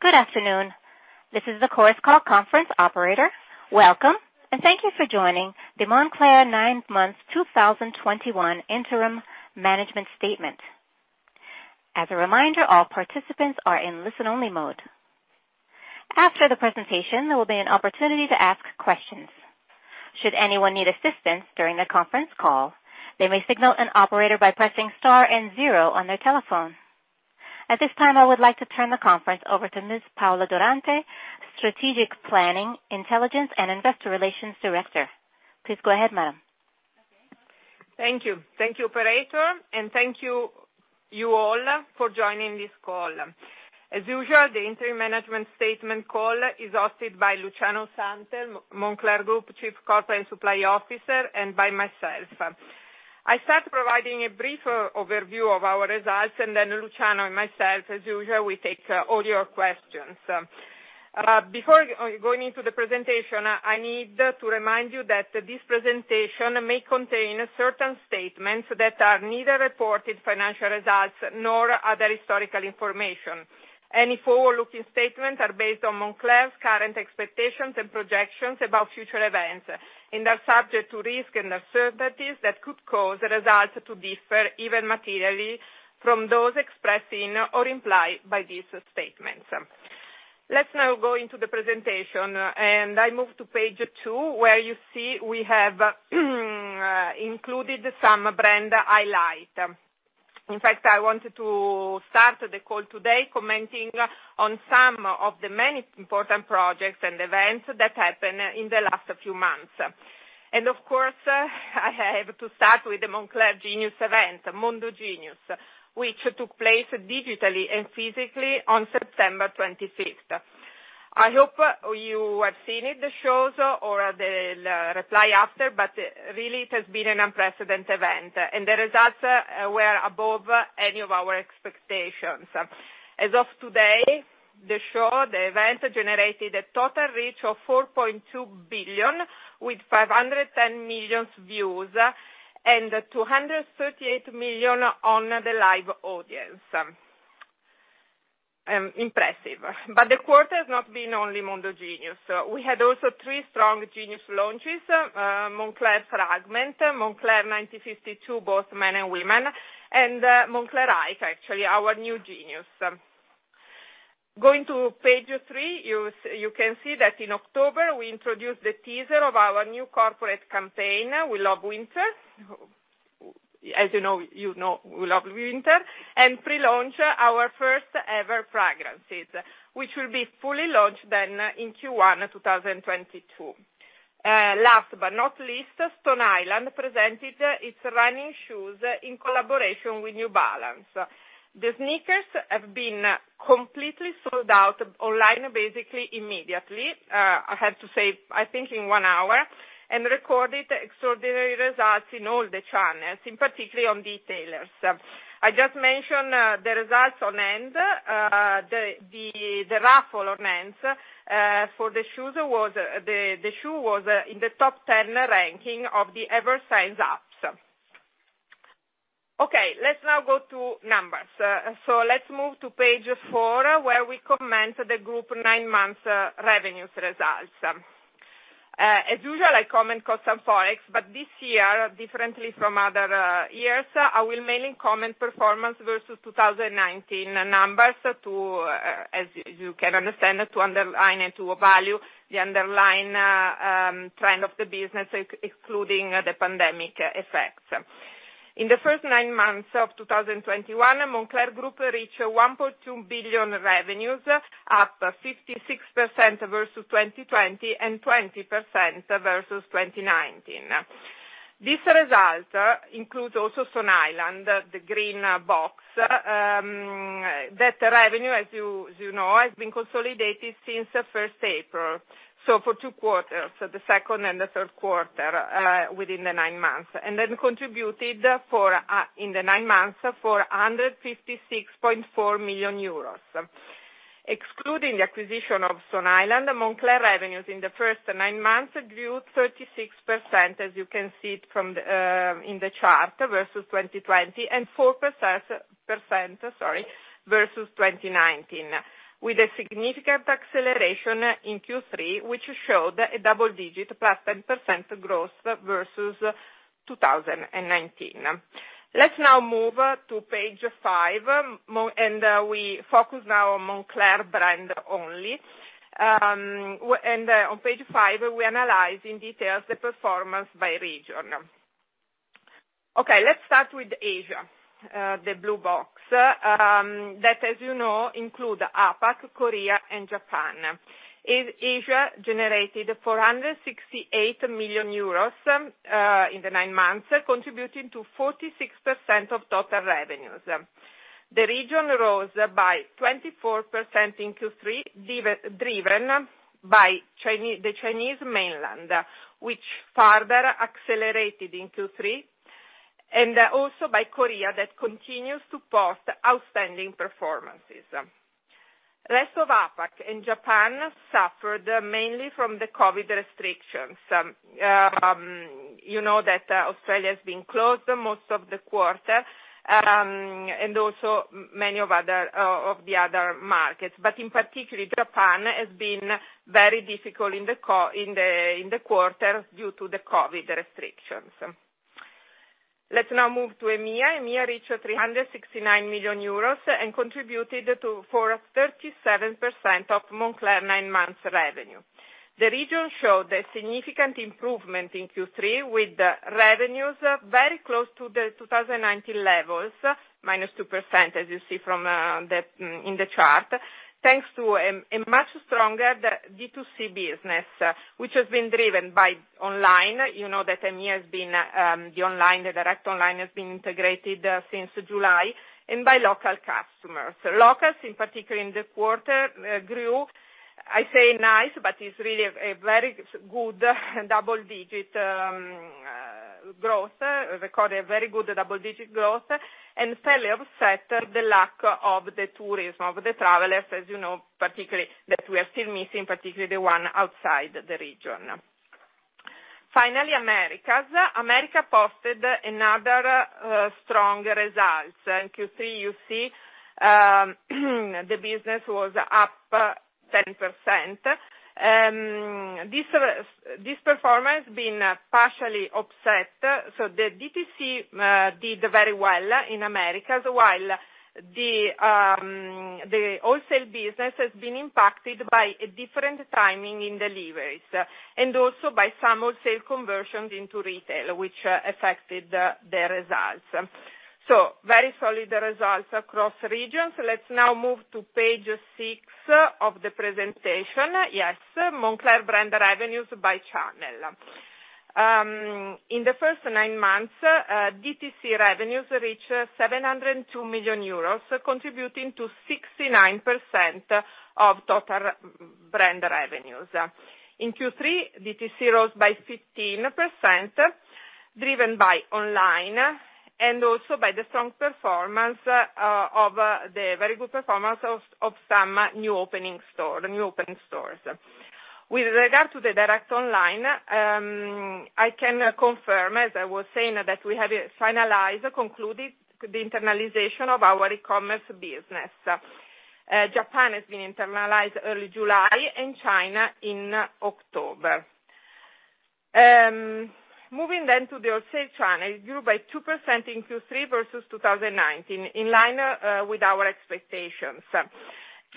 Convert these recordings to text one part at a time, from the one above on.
Good afternoon. This is the Chorus Call conference operator. Welcome, and Thank You for joining the Moncler 9 months 2021 Interim Management Statement. As a reminder, all participants are in listen-only mode. After the presentation, there will be an opportunity to ask questions. Should anyone need assistance during the conference call, they may signal an operator by pressing star and zero on their telephone. At this time, I would like to turn the conference over to Ms. Paola Durante, Strategic Planning, Intelligence and Investor Relations Director. Please go ahead, ma'am. Thank you. Thank you, operator, and thank you all for joining this call. As usual, the interim management statement call is hosted by Luciano Santel, Moncler Group Chief Corporate and Supply Officer, and by myself. I start providing a brief overview of our results and then Luciano and myself, as usual, we take all your questions. Before going into the presentation, I need to remind you that this presentation may contain certain statements that are neither reported financial results nor other historical information. Any forward-looking statements are based on Moncler's current expectations and projections about future events and are subject to risks and uncertainties that could cause the results to differ even materially from those expressed in or implied by these statements. Let's now go into the presentation, and I move to page two, where you see we have included some brand highlights. In fact, I wanted to start the call today commenting on some of the many important projects and events that happened in the last few months. Of course, I have to start with the Moncler Genius event, Mondo Genius, which took place digitally and physically on September 25th. I hope you have seen it, the shows or the replay after, but really it has been an unprecedented event, and the results were above any of our expectations. As of today, the show, the event, generated a total reach of 4.2 billion, with 510 million views and 238 million on the live audience. Impressive. The quarter has not been only Mondo Genius. We had also 3 strong Genius launches, Moncler Fragment, Moncler 1952, both men and women, and Moncler Hyke, actually, our new Genius. Going to page three, you can see that in October, we introduced the teaser of our new corporate campaign, We Love Winter. As you know, you know we love winter. Pre-launch our first ever fragrances, which will be fully launched then in Q1 2022. Last but not least, Stone Island presented its running shoes in collaboration with New Balance. The sneakers have been completely sold out online, basically immediately, I have to say, I think in 1 hour, and recorded extraordinary results in all the channels, in particular on e-tailers. I just mentioned the results on END. The raffle on END for the shoes, the shoe was in the top 10 ranking of the END app. Okay, let's now go to numbers. Let's move to page 4, where we comment the group nine months revenues results. As usual, I comment constant Forex, but this year, differently from other years, I will mainly comment performance versus 2019 numbers to, as you can understand, to underline and to value the underlying trend of the business, excluding the pandemic effects. In the first nine months of 2021, Moncler Group reached 1.2 billion revenues, up 56% versus 2020 and 20% versus 2019. This result includes also Stone Island, the green box. That revenue, as you know, has been consolidated since the first April, so for 2 quarters, the second and the third quarter within the nine months, and contributed in the nine months 156.4 million euros. Excluding the acquisition of Stone Island, Moncler revenues in the first nine months grew 36%, as you can see from the chart versus 2020 and 4% versus 2019, with a significant acceleration in Q3, which showed a double-digit +10% growth versus 2019. Let's now move to page five. We focus now on Moncler brand only. On page 5, we analyze in detail the performance by region. Okay, let's start with Asia, the blue box that, as you know, include APAC, Korea and Japan. Asia generated 468 million euros in the nine months, contributing to 46% of total revenues. The region rose by 24% in Q3, driven by the Chinese mainland, which further accelerated in Q3, and also by Korea that continues to post outstanding performances. Rest of APAC and Japan suffered mainly from the COVID restrictions. You know that Australia has been closed most of the quarter, and also many of the other markets. In particular, Japan has been very difficult in the quarter due to the COVID restrictions. Let's now move to EMEA. EMEA reached 369 million euros and contributed for 37% of Moncler nine months revenue. The region showed a significant improvement in Q3 with the revenues very close to the 2019 levels, -2% as you see from the chart, thanks to a much stronger DTC business, which has been driven by online. You know that EMEA has been the online, the direct online has been integrated since July and by local customers. Locals, in particular in the quarter, grew. I say nice, but it's really a very good double-digit growth recorded a very good double-digit growth and fairly offset the lack of the tourism, of the travelers, as you know, particularly that we are still missing, particularly the one outside the region. Finally, Americas. America posted another strong results. In Q3, you see, the business was up 10%. This performance has been partially offset, so the DTC did very well in the Americas, while the wholesale business has been impacted by a different timing in deliveries, and also by some wholesale conversions into retail, which affected the results. Very solid results across the regions. Let's now move to page 6 of the presentation. Yes, Moncler brand revenues by channel. In the first nine months, DTC revenues reached 702 million euros, contributing to 69% of total Moncler brand revenues. In Q3, DTC rose by 15%, driven by online, and also by the strong performance of some new opening stores. With regard to the direct online, I can confirm, as I was saying, that we have concluded the internalization of our e-commerce business. Japan has been internalized early July, and China in October. Moving to the wholesale channel. It grew by 2% in Q3 versus 2019, in line with our expectations.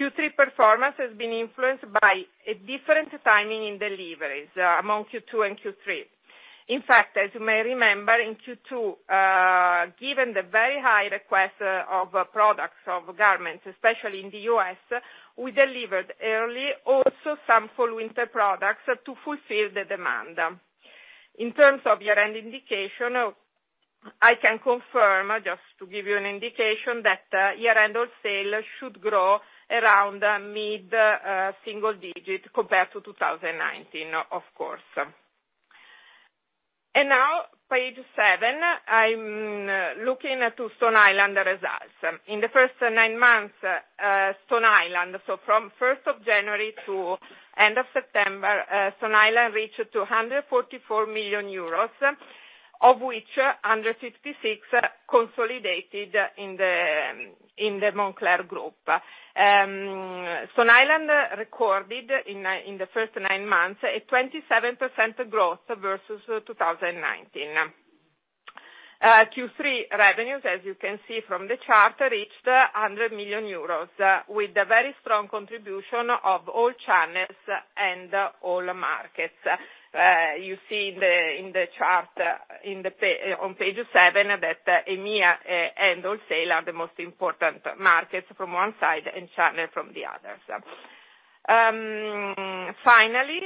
Q3 performance has been influenced by a different timing in deliveries among Q2 and Q3. In fact, as you may remember, in Q2, given the very high request of products, of garments, especially in the U.S., we delivered early also some full winter products to fulfill the demand. In terms of year-end indication, I can confirm, just to give you an indication, that year-end wholesale should grow around mid single digit compared to 2019, of course. Now page seven, I'm looking at Stone Island results. In the first nine months, Stone Island, so from January 1 to end of September, Stone Island reached 244 million euros, of which 156 consolidated in the Moncler Group. Stone Island recorded in the first nine months a 27% growth versus 2019. Q3 revenues, as you can see from the chart, reached 100 million euros, with a very strong contribution of all channels and all markets. You see in the chart, on page 7 that EMEA and wholesale are the most important markets from one side and channel from the other. Finally,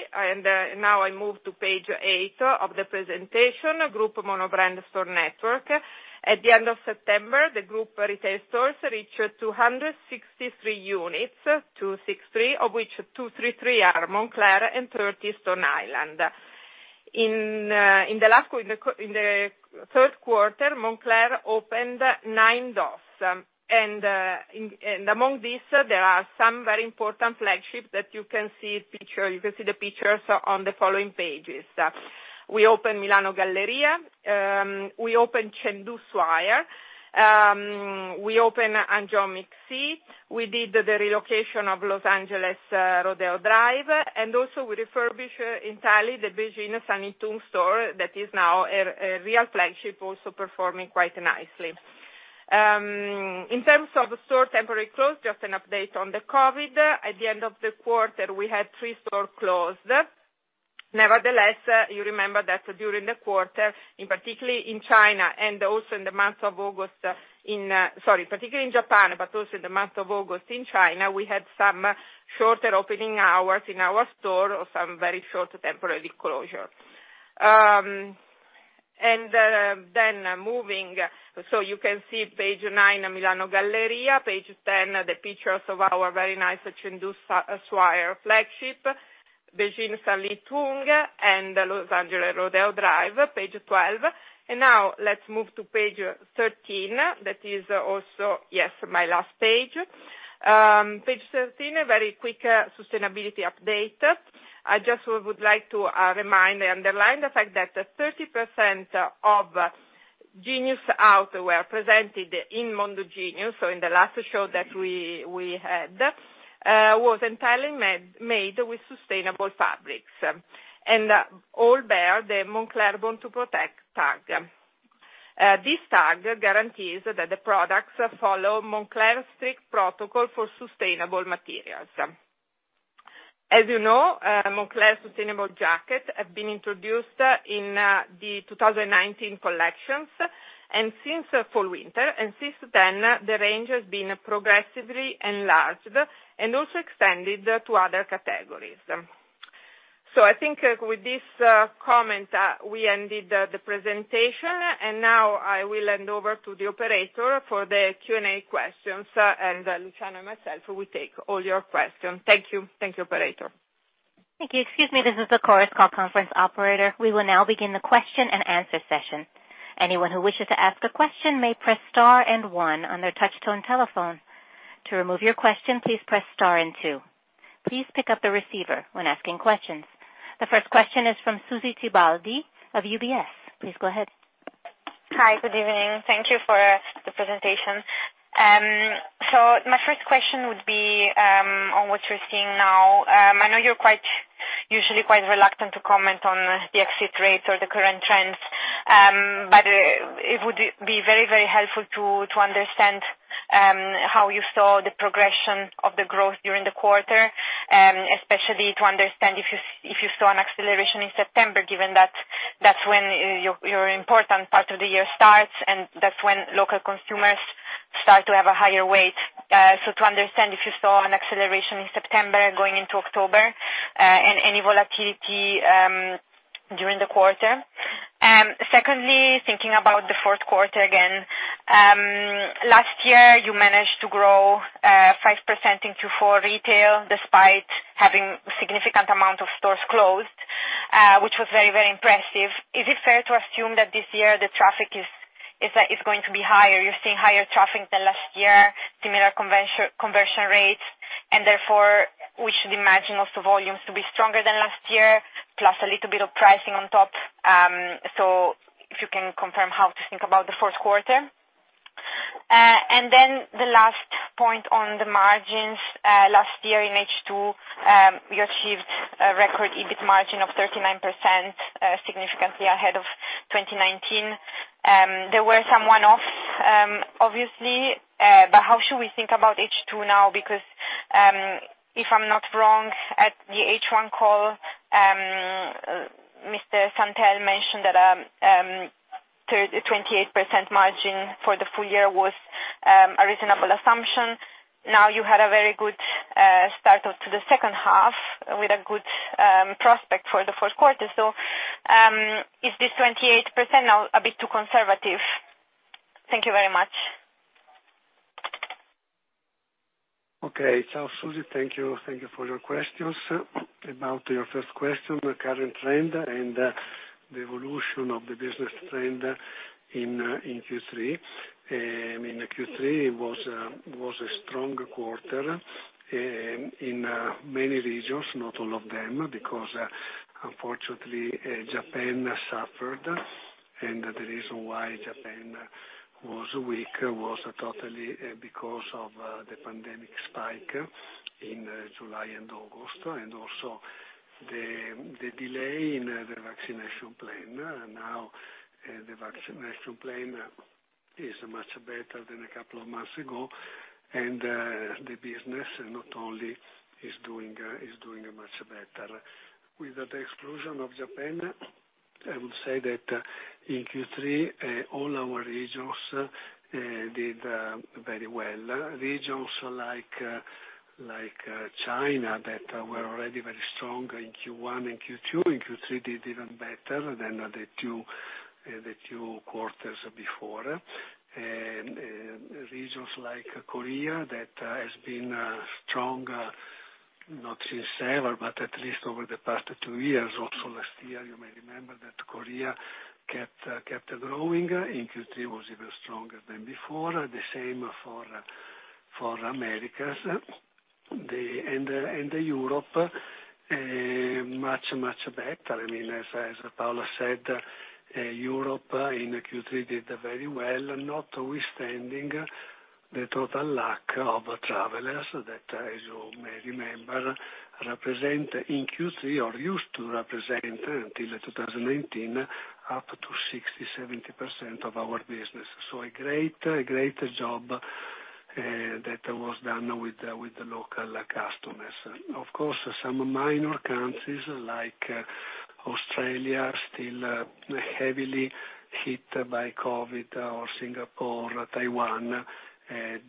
now I move to page 8 of the presentation, Group Monobrand Store Network. At the end of September, the group retail stores reached 263 units, of which 233 are Moncler and 30 Stone Island. In the third quarter, Moncler opened 9 doors. Among these, there are some very important flagships that you can see the pictures on the following pages. We opened Milano Galleria, we opened Chengdu Swire, we opened Hangzhou MixC, we did the relocation of Los Angeles, Rodeo Drive, and also we refurbished entirely the Beijing Sanlitun store that is now a real flagship also performing quite nicely. In terms of temporary store closures, just an update on the COVID. At the end of the quarter, we had 3 stores closed. Nevertheless, you remember that during the quarter, sorry, particularly in Japan, but also in the month of August in China, we had some shorter opening hours in our store or some very short temporary closure. Moving, so you can see page nine, Milano Galleria, page ten, the pictures of our very nice Chengdu Swire flagship. The Ginza and the Los Angeles Rodeo Drive, page 12. Now let's move to page 13. That is also, yes, my last page. Page 13, a very quick sustainability update. I just would like to remind and underline the fact that 30% of Genius outerwear presented in Mondo Genius, so in the last show that we had, was entirely made with sustainable fabrics, and all bear the Moncler Born to Protect tag. This tag guarantees that the products follow Moncler strict protocol for sustainable materials. As you know, Moncler sustainable jackets have been introduced in the 2019 collections, and since fall winter, and since then, the range has been progressively enlarged and also extended to other categories. I think with this comment, we ended the presentation. Now I will hand over to the operator for the Q&A questions, and Luciano and myself will take all your questions. Thank you. Thank you, operator. Thank you. Excuse me. This is the Chorus Call Conference operator. We will now begin the question and answer session. Anyone who wishes to ask a question may press star and one on their touch tone telephone. To remove your question, please press star and two. Please pick up the receiver when asking questions. The first question is from Susy Tibaldi of UBS. Please go ahead. Hi. Good evening. Thank you for the presentation. My first question would be on what you're seeing now. I know you're quite usually quite reluctant to comment on the exit rates or the current trends, but it would be very, very helpful to understand how you saw the progression of the growth during the quarter, especially to understand if you saw an acceleration in September, given that that's when your important part of the year starts, and that's when local consumers start to have a higher weight. To understand if you saw an acceleration in September going into October, and any volatility during the quarter. Secondly, thinking about the fourth quarter, again, last year, you managed to grow 5% in Q4 retail despite having significant amount of stores closed, which was very, very impressive. Is it fair to assume that this year the traffic is going to be higher? You're seeing higher traffic than last year, similar conversion rates, and therefore we should imagine also volumes to be stronger than last year, plus a little bit of pricing on top. If you can confirm how to think about the fourth quarter. The last point on the margins. Last year in H2, you achieved a record EBIT margin of 39%, significantly ahead of 2019. There were some one-offs, obviously, but how should we think about H2 now? Because, if I'm not wrong, at the H1 call, Mr. Santel mentioned that, 28% margin for the full year was a reasonable assumption. Now you had a very good start to the second half with a good prospect for the fourth quarter. Is this 28% now a bit too conservative? Thank you very much. Okay. Susy, thank you. Thank you for your questions. About your first question, the current trend and the evolution of the business trend in Q3. In Q3 was a strong quarter in many regions, not all of them, because unfortunately Japan suffered. The reason why Japan was weak was totally because of the pandemic spike in July and August, and also the delay in the vaccination plan. Now, the vaccination plan is much better than a couple of months ago, and the business not only is doing much better. With the exclusion of Japan, I would say that in Q3, all our regions did very well. Regions like China that were already very strong in Q1 and Q2, in Q3 did even better than the two quarters before. Regions like Korea that has been strong, not since ever, but at least over the past two years. Also last year, you may remember that Korea kept growing. In Q3 was even stronger than before. The same for Americas and Europe, much better. I mean, as Paola said, Europe in Q3 did very well, notwithstanding the total lack of travelers that, as you may remember, represent in Q3 or used to represent until 2019 up to 60%-70% of our business. A great job that was done with the local customers. Of course, some minor countries like Australia, still heavily hit by COVID or Singapore, Taiwan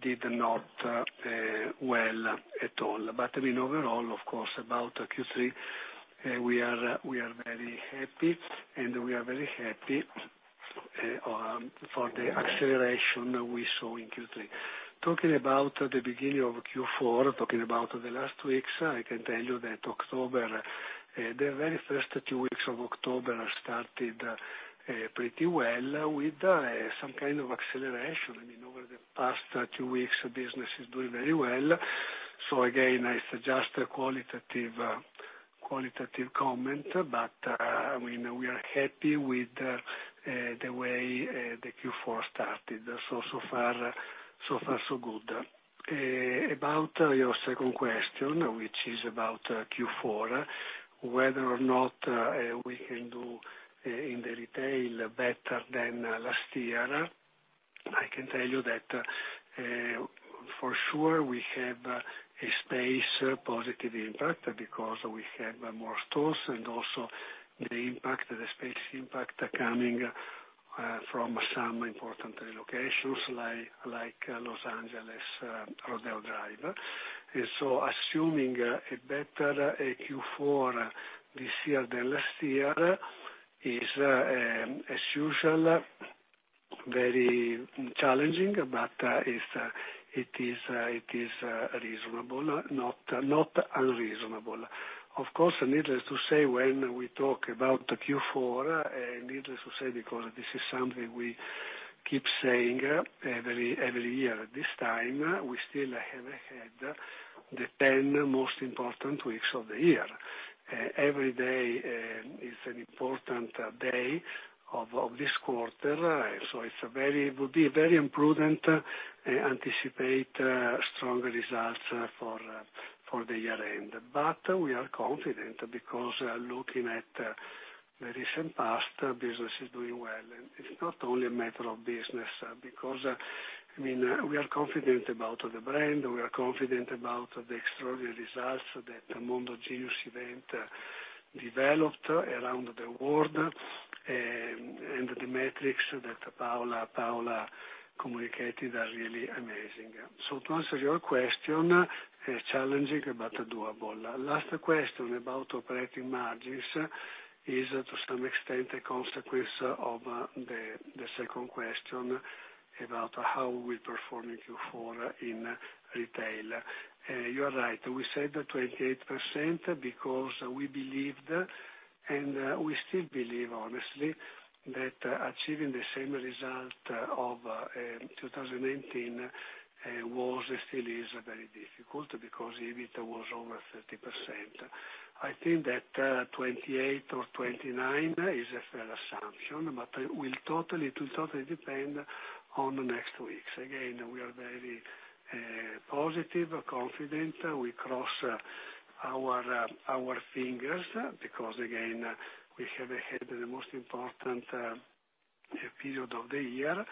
did not do well at all. I mean, overall, of course, about Q3, we are very happy for the acceleration we saw in Q3. Talking about the beginning of Q4, talking about the last weeks, I can tell you that October, the very first two weeks of October started pretty well with some kind of acceleration. I mean, over the past two weeks, business is doing very well. Again, it's just a qualitative comment. I mean, we are happy with the way the Q4 started. So far so good. About your second question, which is about Q4, whether or not we can do in the retail better than last year, I can tell you that for sure we have a space positive impact because we have more stores and also the impact, the space impact coming from some important locations like Los Angeles, Rodeo Drive. Assuming a better Q4 this year than last year is, as usual, very challenging, but it is reasonable. Not unreasonable. Of course, needless to say, when we talk about Q4, needless to say because this is something we keep saying every year at this time, we still have ahead the 10 most important weeks of the year. Every day is an important day of this quarter. It would be very imprudent to anticipate strong results for the year end. We are confident because looking at the recent past, business is doing well. It's not only a matter of business because, I mean, we are confident about the brand, we are confident about the extraordinary results that the Mondo Genius event developed around the world, and the metrics that Paola communicated are really amazing. To answer your question, challenging but doable. Last question about operating margins is to some extent a consequence of the second question about how we perform in Q4 in retail. You are right, we said 28% because we believed, and we still believe, honestly, that achieving the same result of 2019 was and still is very difficult because EBIT was over 30%. I think that 28% or 29% is a fair assumption, but it will totally depend on the next weeks. Again, we are very positive, confident. We cross our fingers because again, we have ahead the most important period of the year.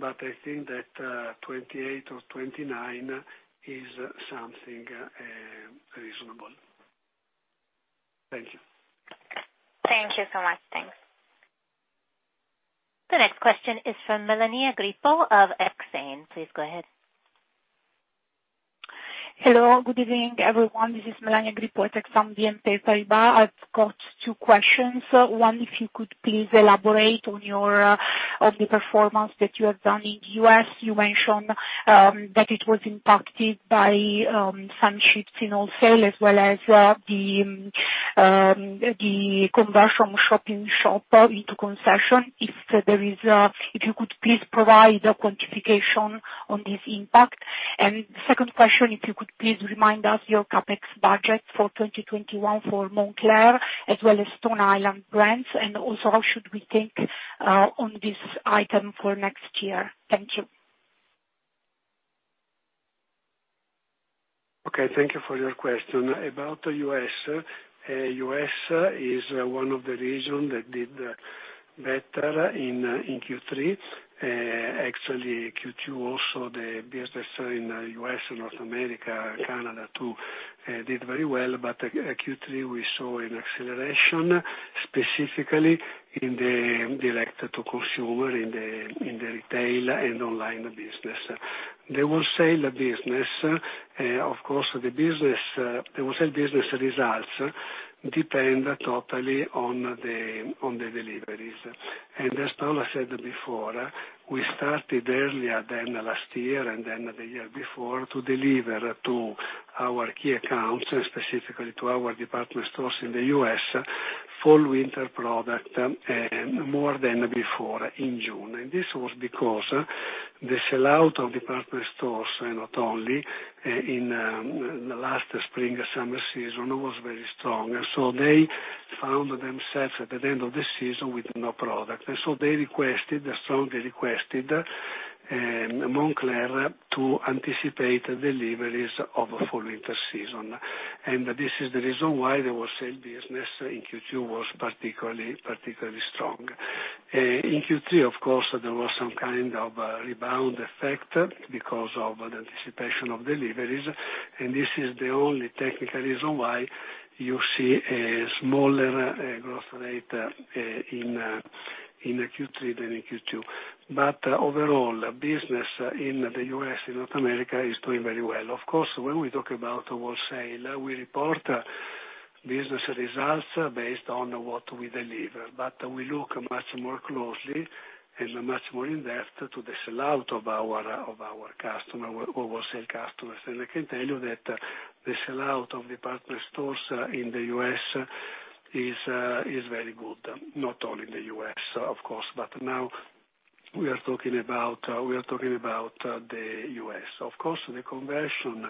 I think that 28% or 29% is something reasonable. Thank you. Thank you so much. Thanks. The next question is from Melania Grippo of Exane. Please go ahead. Hello, good evening, everyone. This is Melania Grippo, Exane BNP Paribas. I've got two questions. One, if you could please elaborate on the performance that you have done in the U.S. You mentioned that it was impacted by some shifts in wholesale, as well as the conversion of shop-in-shops into concessions. If you could please provide a quantification on this impact. Second question, if you could please remind us your CapEx budget for 2021 for Moncler as well as Stone Island brands. Also how should we think on this item for next year? Thank you. Okay, thank you for your question. About U.S., U.S. is one of the regions that did better in Q3. Actually, Q2 also the business in U.S. and North America, Canada too, did very well. Q3 we saw an acceleration specifically in the direct to consumer, in the retail and online business. The wholesale business, of course, results depend totally on the deliveries. As Paola said before, we started earlier than last year and then the year before to deliver to our key accounts, specifically to our department stores in the U.S., fall winter product, more than before in June. This was because the sellout of department stores and not only the last spring summer season was very strong. They found themselves at the end of the season with no product. They requested, strongly requested, Moncler to anticipate deliveries of fall winter season. This is the reason why the wholesale business in Q2 was particularly strong. In Q3 of course there was some kind of a rebound effect because of the anticipation of deliveries, and this is the only technical reason why you see a smaller growth rate in Q3 than in Q2. Overall, business in the U.S. and North America is doing very well. Of course, when we talk about wholesale, we report business results based on what we deliver. We look much more closely and much more in-depth to the sellout of our customer, wholesale customers. I can tell you that the sellout of department stores in the U.S. is very good. Not only in the U.S., of course, but now we are talking about the U.S. Of course, the conversion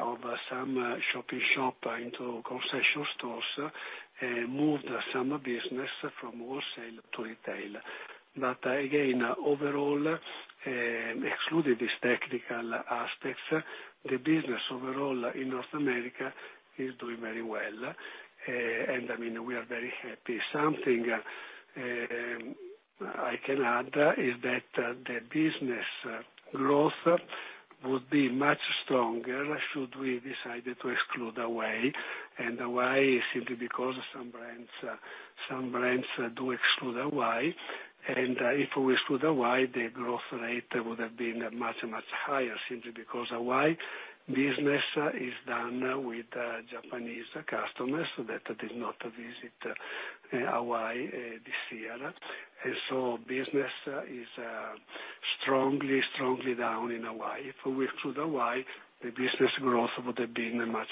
of some shop-in-shop into concession stores moved some business from wholesale to retail. Again, overall, excluding these technical aspects, the business overall in North America is doing very well. I mean, we are very happy. Something I can add is that the business growth would be much stronger should we decide to exclude Hawaii. Hawaii is simply because some brands do exclude Hawaii. If we exclude Hawaii, the growth rate would have been much higher simply because Hawaii business is done with Japanese customers so they did not visit Hawaii this year. Business is strongly down in Hawaii. If we exclude Hawaii, the business growth would have been much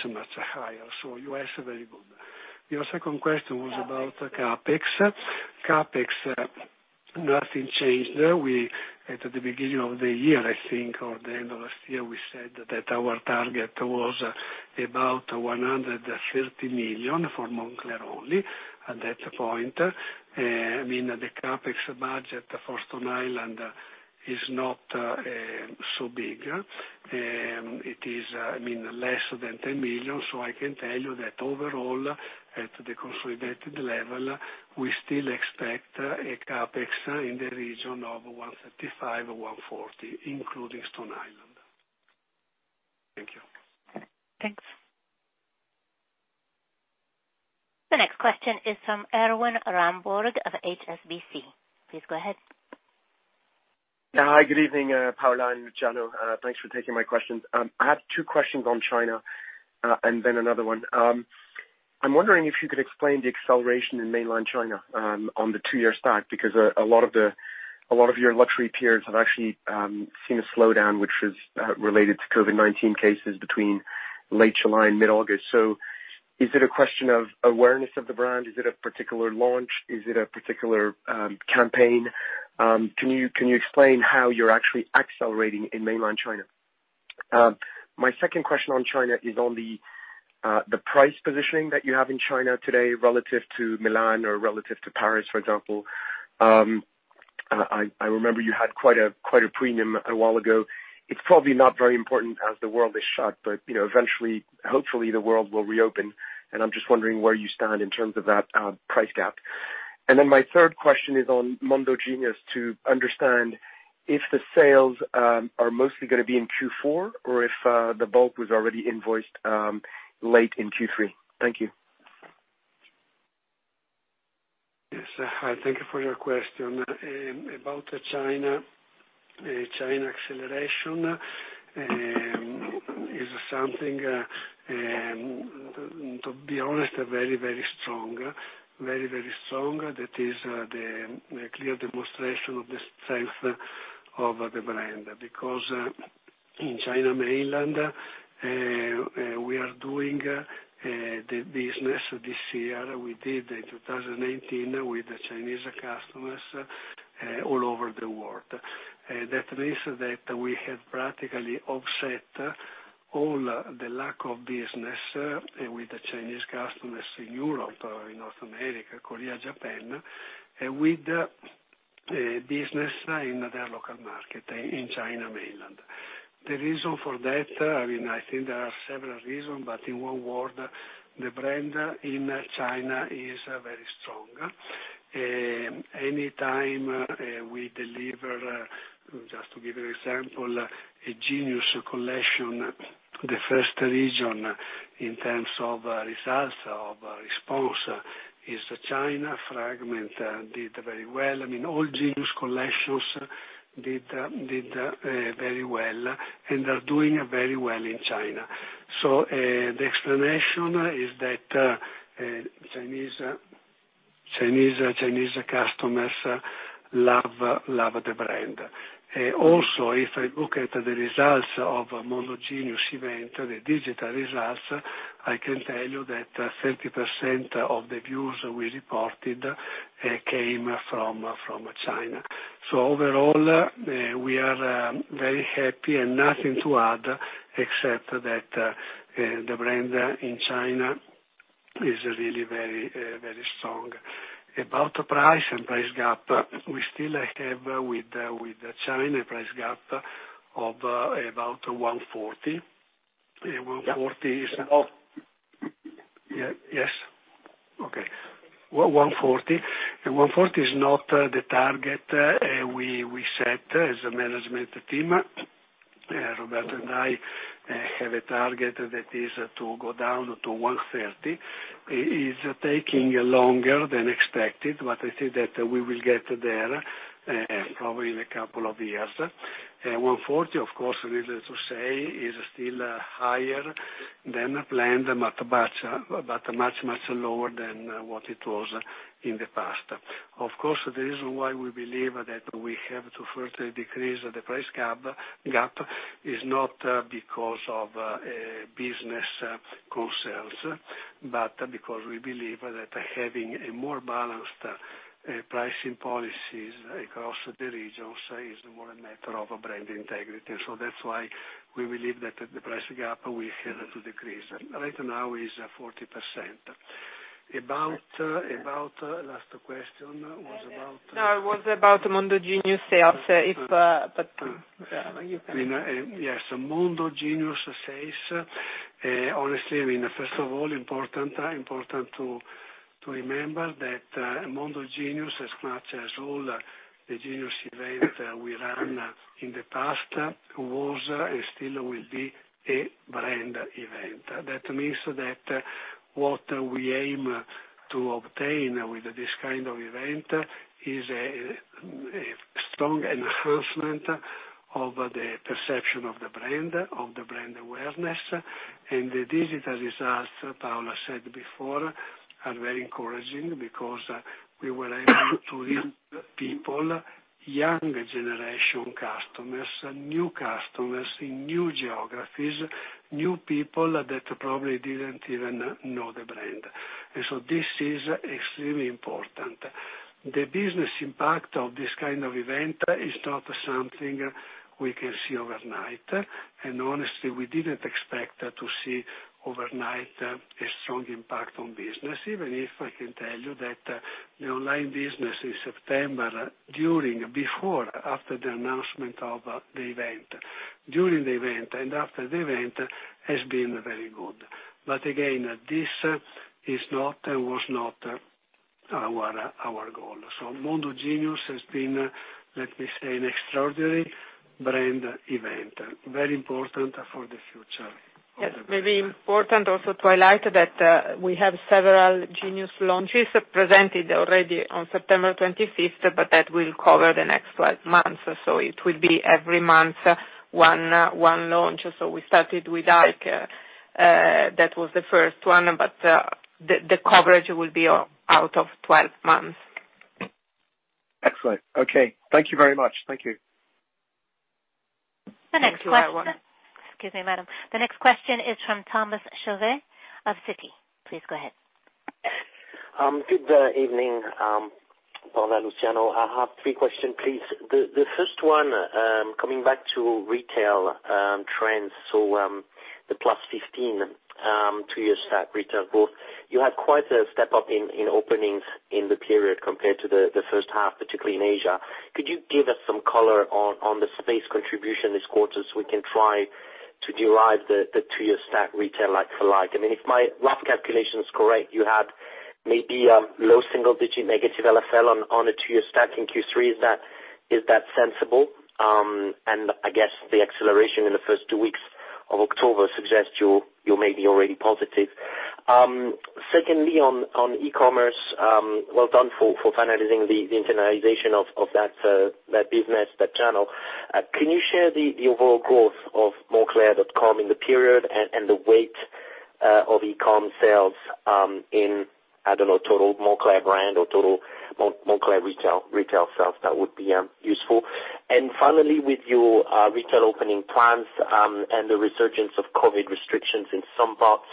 higher. U.S. very good. Your second question was about CapEx. CapEx, nothing changed. At the beginning of the year, I think, or the end of last year, we said that our target was about 130 million for Moncler only at that point. I mean, the CapEx budget for Stone Island is not so big. It is, I mean, less than 10 million, so I can tell you that overall, at the consolidated level, we still expect a CapEx in the region of 155 million, 140 million, including Stone Island. Thank you. Thanks. The next question is from Erwan Rambourg of HSBC. Please go ahead. Hi. Good evening, Paola and Luciano. Thanks for taking my questions. I have two questions on China, and then another one. I'm wondering if you could explain the acceleration in mainland China on the two-year stack, because a lot of your luxury peers have actually seen a slowdown which is related to COVID-19 cases between late July and mid-August. Is it a question of awareness of the brand? Is it a particular launch? Is it a particular campaign? Can you explain how you're actually accelerating in mainland China? My second question on China is on the price positioning that you have in China today relative to Milan or relative to Paris, for example. I remember you had quite a premium a while ago. It's probably not very important as the world is shut, but, you know, eventually, hopefully, the world will reopen, and I'm just wondering where you stand in terms of that, price gap. Then my third question is on Mondo Genius, to understand if the sales are mostly gonna be in Q4 or if, the bulk was already invoiced, late in Q3. Thank you. Yes. Thank you for your question. About the China acceleration is something to be honest very strong. Very strong. That is the clear demonstration of the strength of the brand. Because in China mainland we are doing the business this year we did in 2018 with the Chinese customers all over the world. That means that we have practically offset all the lack of business with the Chinese customers in Europe or in North America, Korea, Japan with the business in their local market in China mainland. The reason for that, I mean, I think there are several reasons, but in one word, the brand in China is very strong. Anytime we deliver, just to give you an example, a Genius collection, the first region in terms of results, of response is China. Fragment did very well. I mean, all Genius collections did very well and are doing very well in China. So, the explanation is that, Chinese customers love the brand. Also, if I look at the results of Mondo Genius event, the digital results, I can tell you that 30% of the views we reported came from China. So overall, we are very happy and nothing to add, except that, the brand in China is really very strong. About price and price gap, we still have with China price gap of about 140. 140 is- Oh. Yeah. Yes. Okay. 140. 140 is not the target we set as a management team. Roberto and I have a target that is to go down to 130. It is taking longer than expected, but I think that we will get there, probably in a couple of years. 140, of course, needless to say. Still, higher than planned but much lower than what it was in the past. Of course, the reason why we believe that we have to further decrease the price gap is not because of business concerns, but because we believe that having a more balanced pricing policies across the region, say, is more a matter of brand integrity. That's why we believe that the price gap will have to decrease. Right now is 40%. About last question was about- No, it was about Mondo Genius sales, but you can- Yes, Mondo Genius sales. Honestly, I mean, first of all, important to remember that Mondo Genius, as much as all the Genius event we run in the past, was and still will be a brand event. That means that what we aim to obtain with this kind of event is a strong enhancement of the perception of the brand, of the brand awareness. The digital results, Paola said before, are very encouraging because we were able to reach people, younger generation customers, new customers in new geographies, new people that probably didn't even know the brand. This is extremely important. The business impact of this kind of event is not something we can see overnight. Honestly, we didn't expect to see overnight a strong impact on business. Even if I can tell you that the online business in September, during, before, after the announcement of the event, during the event and after the event has been very good. Again, this is not and was not our goal. Mondo Genius has been, let me say, an extraordinary brand event, very important for the future. Yes, maybe important also to highlight that, we have several Genius launches presented already on September 25, but that will cover the next 12 months, so it will be every month, one launch. We started with Rick, that was the first one, but the coverage will be over 12 months. Excellent. Okay. Thank you very much. Thank you. Thank you. The next question. Excuse me, madam. The next question is from Thomas Chauvet of Citi. Please go ahead. Good evening, Paola, Luciano. I have three questions, please. The first one, coming back to retail trends. The +15% two-year stack retail growth. You had quite a step up in openings in the period compared to the first half, particularly in Asia. Could you give us some color on the space contribution this quarter so we can try to derive the two-year stack retail like-for-like? I mean, if my rough calculation is correct, you had maybe low single digit negative LFL on a two-year stack in Q3. Is that sensible? I guess the acceleration in the first two weeks of October suggests you may be already positive. Secondly, on e-commerce, well done for finalizing the internalization of that business, that channel. Can you share the overall growth of moncler.com in the period and the weight of e-com sales in, I don't know, total Moncler brand or total Moncler retail sales? That would be useful. Finally, with your retail opening plans and the resurgence of COVID restrictions in some parts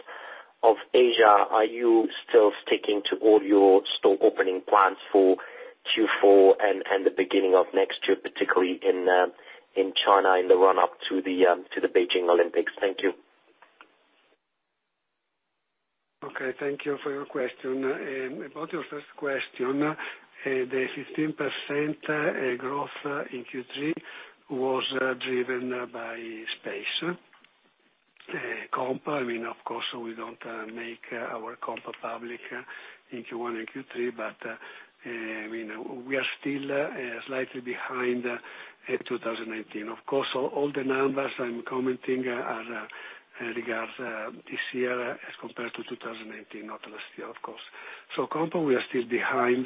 of Asia, are you still sticking to all your store opening plans for Q4 and the beginning of next year, particularly in China in the run-up to the Beijing Olympics? Thank you. Okay. Thank you for your question. About your first question, the 15% growth in Q3 was driven by space, comp. I mean, of course, we don't make our comp public in Q1 and Q3, but I mean, we are still slightly behind in 2018. Of course, all the numbers I'm commenting are regarding this year as compared to 2018, not last year, of course. Comp, we are still behind,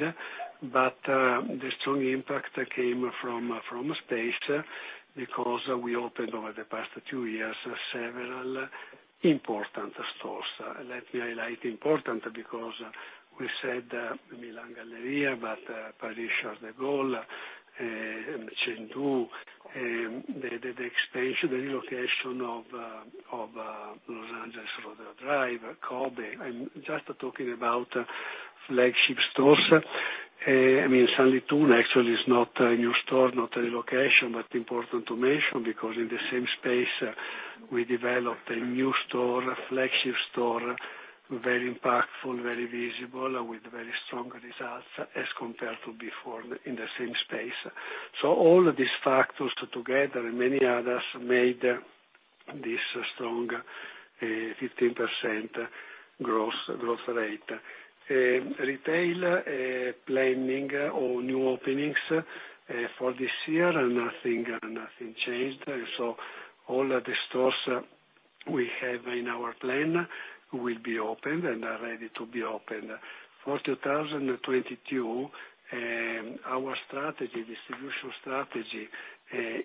but the strong impact came from space because we opened over the past 2 years several important stores. Let me highlight important because we said Milan Galleria, but Paris Charles de Gaulle, Chengdu, the expansion, the relocation of Los Angeles Rodeo Drive, Kobe. I'm just talking about flagship stores. I mean, Sanlitun actually is not a new store, not a relocation, but important to mention because in the same space we developed a new store, a flagship store, very impactful, very visible with very strong results as compared to before in the same space. All of these factors together and many others made this strong 15% growth rate. Retail planning or new openings for this year, nothing changed. All the stores we have in our plan will be opened and are ready to be opened. For 2022, our strategy, distribution strategy,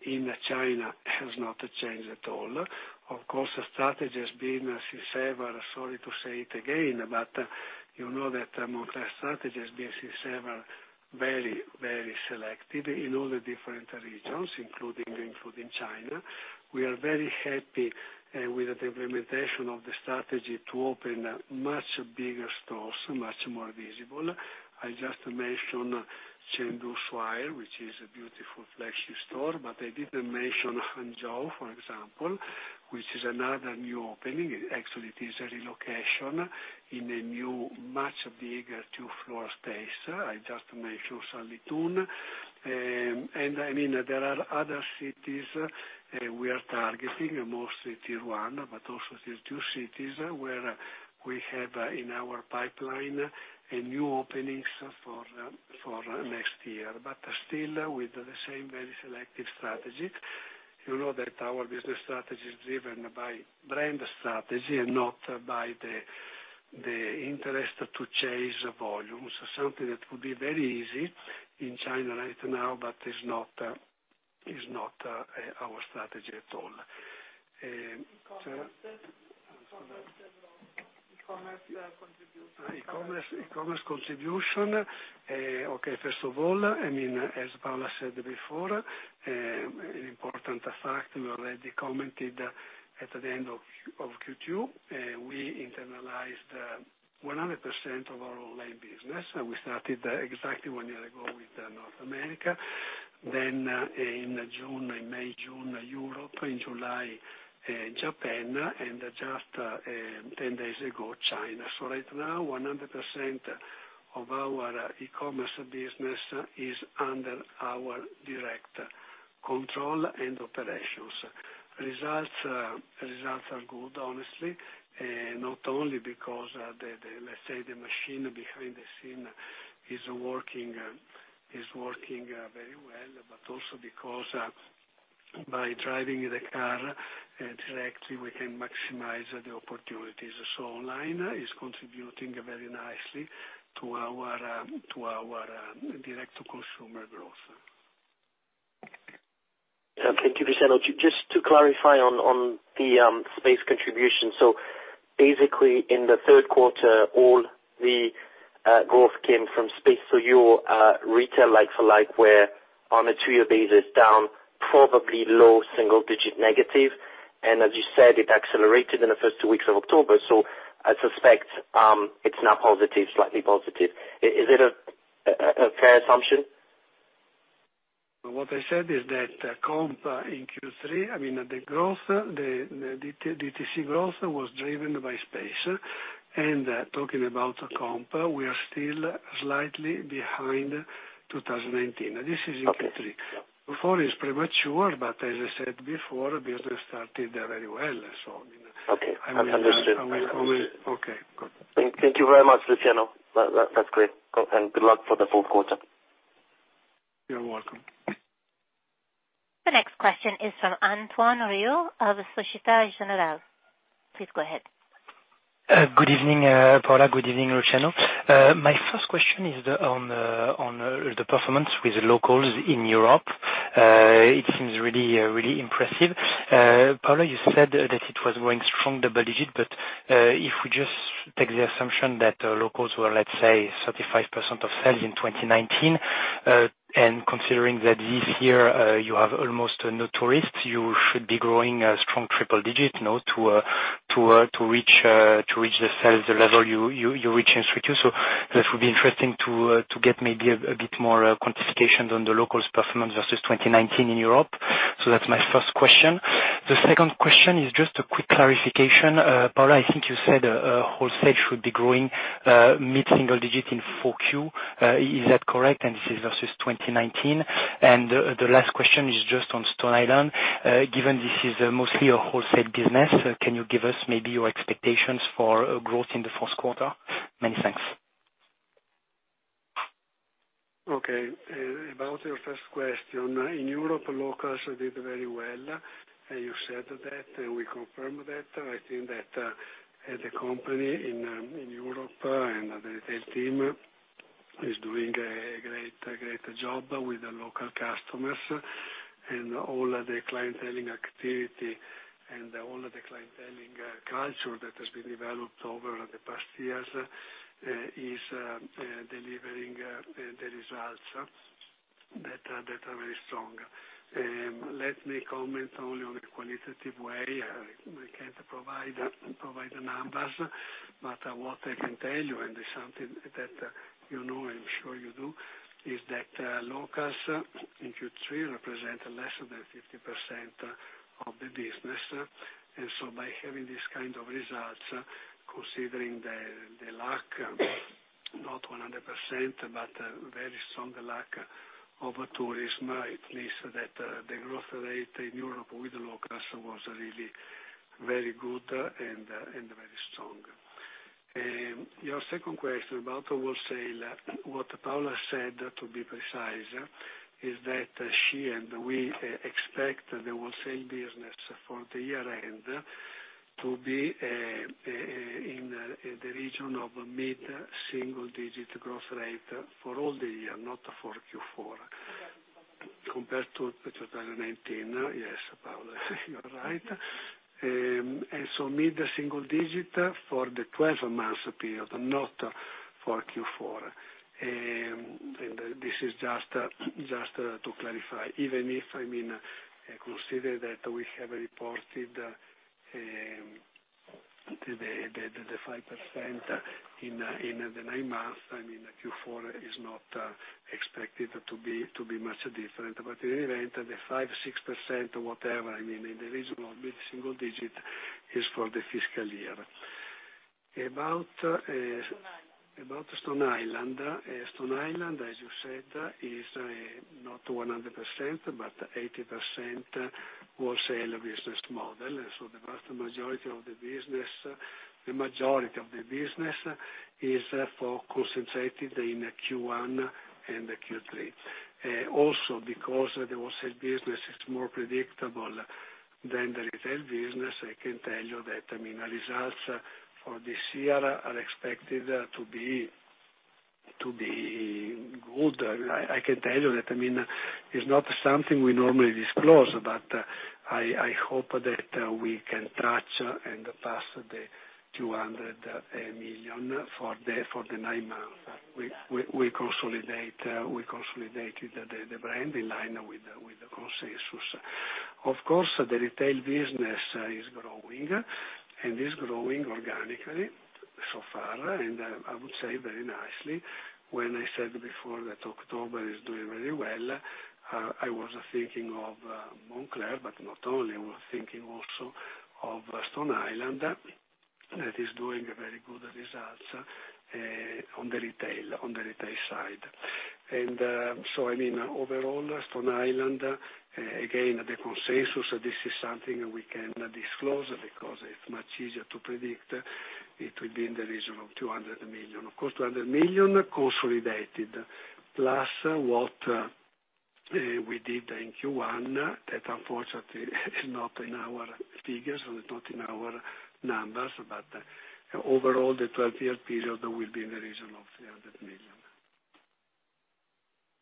in China has not changed at all. Of course, our strategy has been since ever, sorry to say it again, but you know that Moncler strategy has been since ever very, very selected in all the different regions, including China. We are very happy with the implementation of the strategy to open much bigger stores, much more visible. I just mentioned Chengdu Swire, which is a beautiful flagship store, but I didn't mention Hangzhou, for example, which is another new opening. Actually, it is a relocation in a new much bigger two-floor space. I just mentioned Sanlitun. I mean, there are other cities we are targeting, mostly tier one, but also these two cities where we have in our pipeline new openings for next year, but still with the same very selective strategy. You know that our business strategy is driven by brand strategy and not by the interest to chase volumes, something that would be very easy in China right now, but is not our strategy at all. E-commerce. E-commerce growth. E-commerce contribution. E-commerce contribution. Okay, first of all, I mean, as Paola said before, an important fact we already commented at the end of Q2, we internalized 100% of our online business. We started exactly one year ago with North America. Then, in May, June, Europe, in July, Japan, and just 10 days ago, China. Right now, 100% of our e-commerce business is under our direct control and operations. Results are good, honestly, not only because the, let's say, the machine behind the scene is working very well, but also because by driving the car directly, we can maximize the opportunities. Online is contributing very nicely to our direct consumer growth. Thank you, Luciano. Just to clarify on the space contribution. Basically, in the third quarter, all the growth came from space. Your retail like-for-like were on a two-year basis, down probably low single-digit negative. As you said, it accelerated in the first two weeks of October. I suspect it's now positive, slightly positive. Is it a fair assumption? What I said is that comp in Q3, I mean, the growth, the DTC growth was driven by space. Talking about comp, we are still slightly behind 2019. This is Q3. Okay. Yeah. Q4 is premature, but as I said before, business started very well. I mean. Okay. Understood. I will. Okay. Good. Thank you very much, Luciano. That's great. Good luck for the fourth quarter. You're welcome. The next question is from Antoine Riou of Société Générale. Please go ahead. Good evening, Paola. Good evening, Luciano. My first question is on the performance with locals in Europe. It seems really impressive. Paola, you said that it was growing strong double-digit, but if we just take the assumption that locals were, let's say, 35% of sales in 2019, and considering that this year you have almost no tourists, you should be growing strong triple-digit, you know, to reach the sales level you reached in 2022. That would be interesting to get maybe a bit more quantification on the locals performance versus 2019 in Europe. That's my first question. The second question is just a quick clarification. Paola, I think you said wholesale should be growing mid-single digit in Q4. Is that correct? This is versus 2019. The last question is just on Stone Island. Given this is mostly a wholesale business, can you give us maybe your expectations for growth in the first quarter? Many thanks. Okay. About your first question. In Europe, locals did very well. You said that, and we confirm that. I think that, as a company in Europe and the retail team is doing a great job with the local customers and all of the clienteling activity and all of the clienteling culture that has been developed over the past years is delivering the results that are very strong. Let me comment only on the qualitative way. I can't provide the numbers, but what I can tell you, and it's something that you know, I'm sure you do, is that locals in Q3 represent less than 50% of the business. By having this kind of results, considering the lack, not 100%, but a very strong lack of tourism, at least the growth rate in Europe with locals was very good and very strong. Your second question about the wholesale, what Paola said, to be precise, is that she and we expect the wholesale business for the year-end to be in the region of mid-single-digit growth rate for all the year, not for Q4. Compared to 2019, yes, Paola, you are right. Mid-single-digit for the 12-month period, not for Q4. This is just to clarify, even if, I mean, consider that we have reported the 5% in the nine months. I mean the Q4 is not expected to be much different. In any event, the 5-6% or whatever, I mean, in the region of mid-single digit is for the fiscal year. About Stone Island. Stone Island, as you said, is not 100% but 80% wholesale business model. The vast majority of the business, the majority of the business is concentrated in Q1 and Q3. Also because the wholesale business is more predictable than the retail business, I can tell you that, I mean, our results for this year are expected to be good. I can tell you that, I mean, it's not something we normally disclose, but I hope that we can touch and pass the 200 million for the nine months. We consolidated the brand in line with the consensus. Of course, the retail business is growing organically so far, and I would say very nicely. When I said before that October is doing very well, I was thinking of Moncler, but not only. I was thinking also of Stone Island that is doing very good results on the retail side. I mean, overall, Stone Island, again, the consensus, this is something we can disclose because it's much easier to predict. It will be in the region of 200 million. Of course, 200 million consolidated, plus what we did in Q1 that unfortunately is not in our figures or is not in our numbers. Overall, the 12-year period will be in the region of 300 million.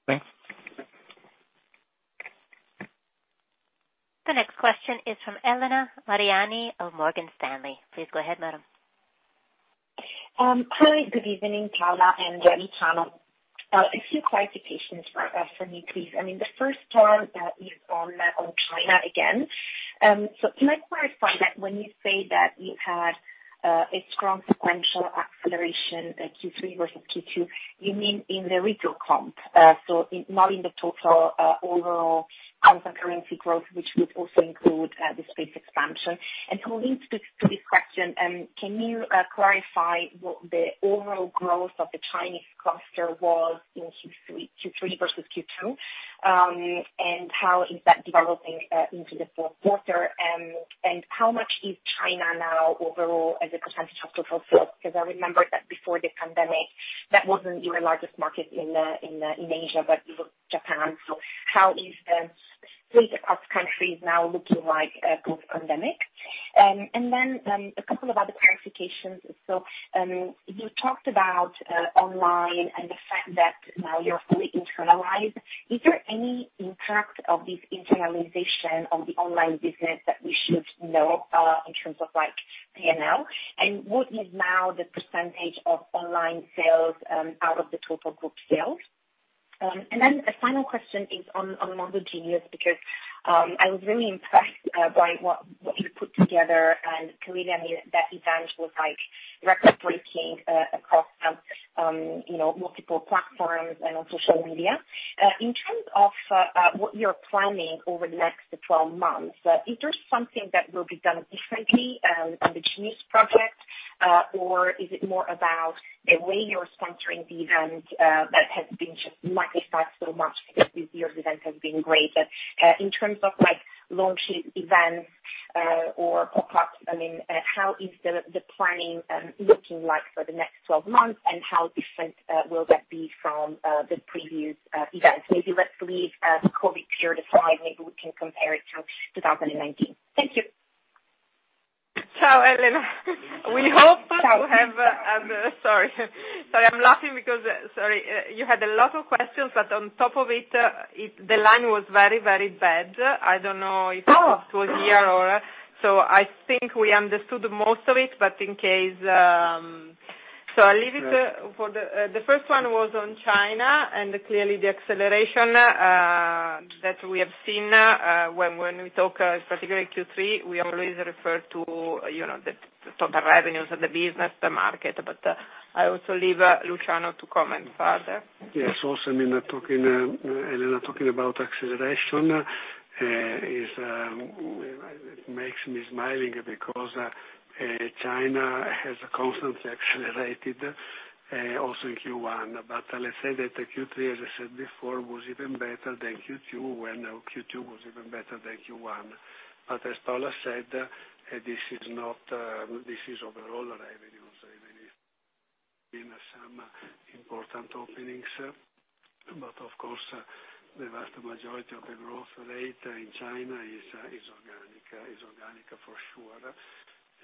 Thanks. The next question is from Elena Mariani of Morgan Stanley. Please go ahead, madam. Hi, good evening, Paola and Luciano. A few clarifications from me, please. I mean, the first one is on China again. So can I clarify that when you say that you had a strong sequential acceleration at Q3 versus Q2, you mean in the retail comp? Not in the total overall constant currency growth, which would also include the space expansion. To link to this question, can you clarify what the overall growth of the Chinese cluster was in Q3 versus Q2? How is that developing into the fourth quarter? How much is China now overall as a percentage of total sales? Because I remember that before the pandemic, that wasn't your largest market in Asia, but it was Japan. How is the split across countries now looking like, post-pandemic? A couple of other clarifications. You talked about online and the fact that now you're fully internalized. Is there any impact of this internalization on the online business that we should know, in terms of, like, P&L? What is now the percentage of online sales, out of the total group sales? A final question is on Moncler Genius, because I was really impressed by what you put together. Clearly, I mean, that event was, like, record-breaking, across, you know, multiple platforms and on social media. In terms of, what you're planning over the next 12 months, is there something that will be done differently, on the Genius project? Is it more about the way you're sponsoring the event that has been just magnified so much because this year's event has been great. In terms of, like, launching events or pop-ups, I mean, how is the planning looking like for the next 12 months, and how different will that be from the previous events? Maybe let's leave the COVID period aside. Maybe we can compare it to 2019. Thank you. Elena, we hope to have, sorry, I'm laughing because, sorry, you had a lot of questions, but on top of it, the line was very, very bad. I don't know if it was you or. I think we understood most of it, but in case, I'll leave it for the. The first one was on China and clearly the acceleration that we have seen, when we talk specifically Q3, we always refer to, you know, the top revenues of the business, the market. I also leave Luciano to comment further. Yes. I mean, talking about acceleration makes me smile because, China has constantly accelerated in Q1. Let's say that the Q3, as I said before, was even better than Q2, when Q2 was even better than Q1. As Paola said, this is overall revenues, even if been some important openings. Of course, the vast majority of the growth rate in China is organic for sure,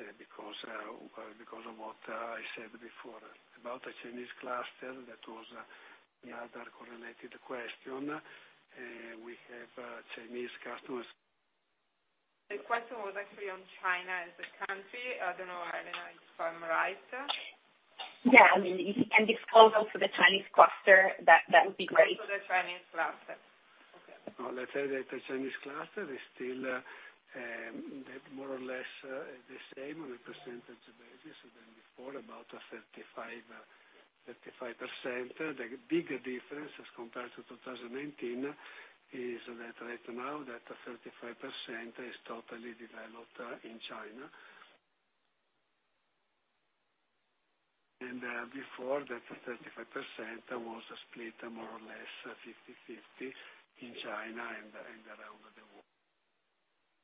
because of what I said before. About the Chinese cluster, that was the other correlated question. We have Chinese customers- The question was actually on China as a country. I don't know, Elena, if I'm right. Yeah, I mean, if you can disclose also the Chinese cluster, that would be great. Also the Chinese cluster. Okay. Well, let's say that the Chinese cluster is still more or less the same on a percentage basis than before, about 35%. The big difference as compared to 2019 is that right now that 35% is totally developed in China. Before that 35% was split more or less 50/50 in China and around the world.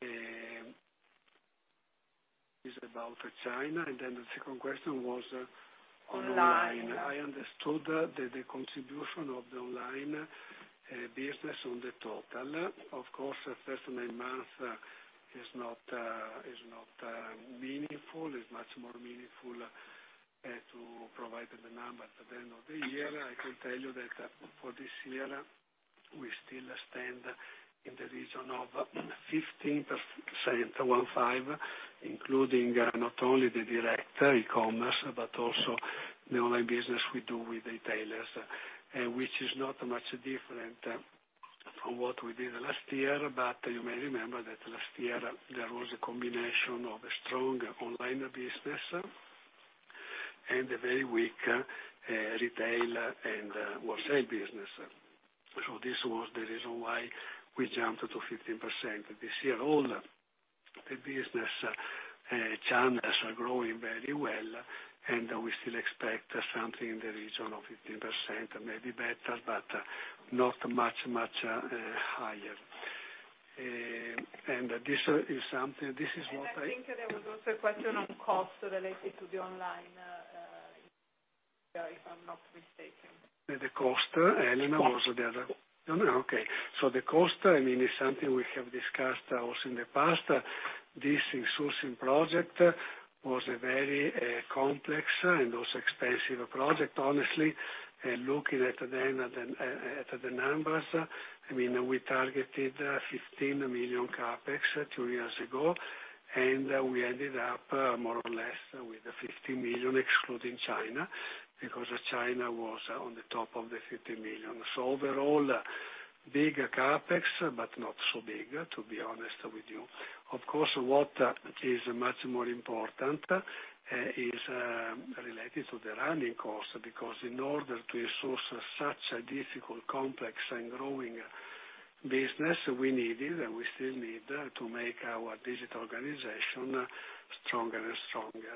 That's about China. The second question was on- Online. I understood the contribution of the online business on the total. Of course, first nine months is not meaningful. It's much more meaningful to provide the number at the end of the year. I can tell you that for this year we still stand in the region of 15%, one five, including not only the direct e-commerce, but also the online business we do with retailers, which is not much different from what we did last year. You may remember that last year there was a combination of a strong online business and a very weak retail and wholesale business. This was the reason why we jumped to 15%. This year, all the business channels are growing very well, and we still expect something in the region of 15%, maybe better, but not much higher. This is something. This is what I- I think there was also a question on cost related to the online, if I'm not mistaken. The cost, Elena, was the other. Cost. Okay. The cost, I mean, is something we have discussed also in the past. This sourcing project was a very complex and also expensive project, honestly. Looking at the numbers, I mean, we targeted 15 million CapEx two years ago, and we ended up more or less with 50 million excluding China, because China was on the top of the 50 million. Overall, big CapEx, but not so big, to be honest with you. Of course, what is much more important is related to the running cost because in order to source such a difficult, complex and growing business, we needed and we still need to make our digital organization stronger and stronger.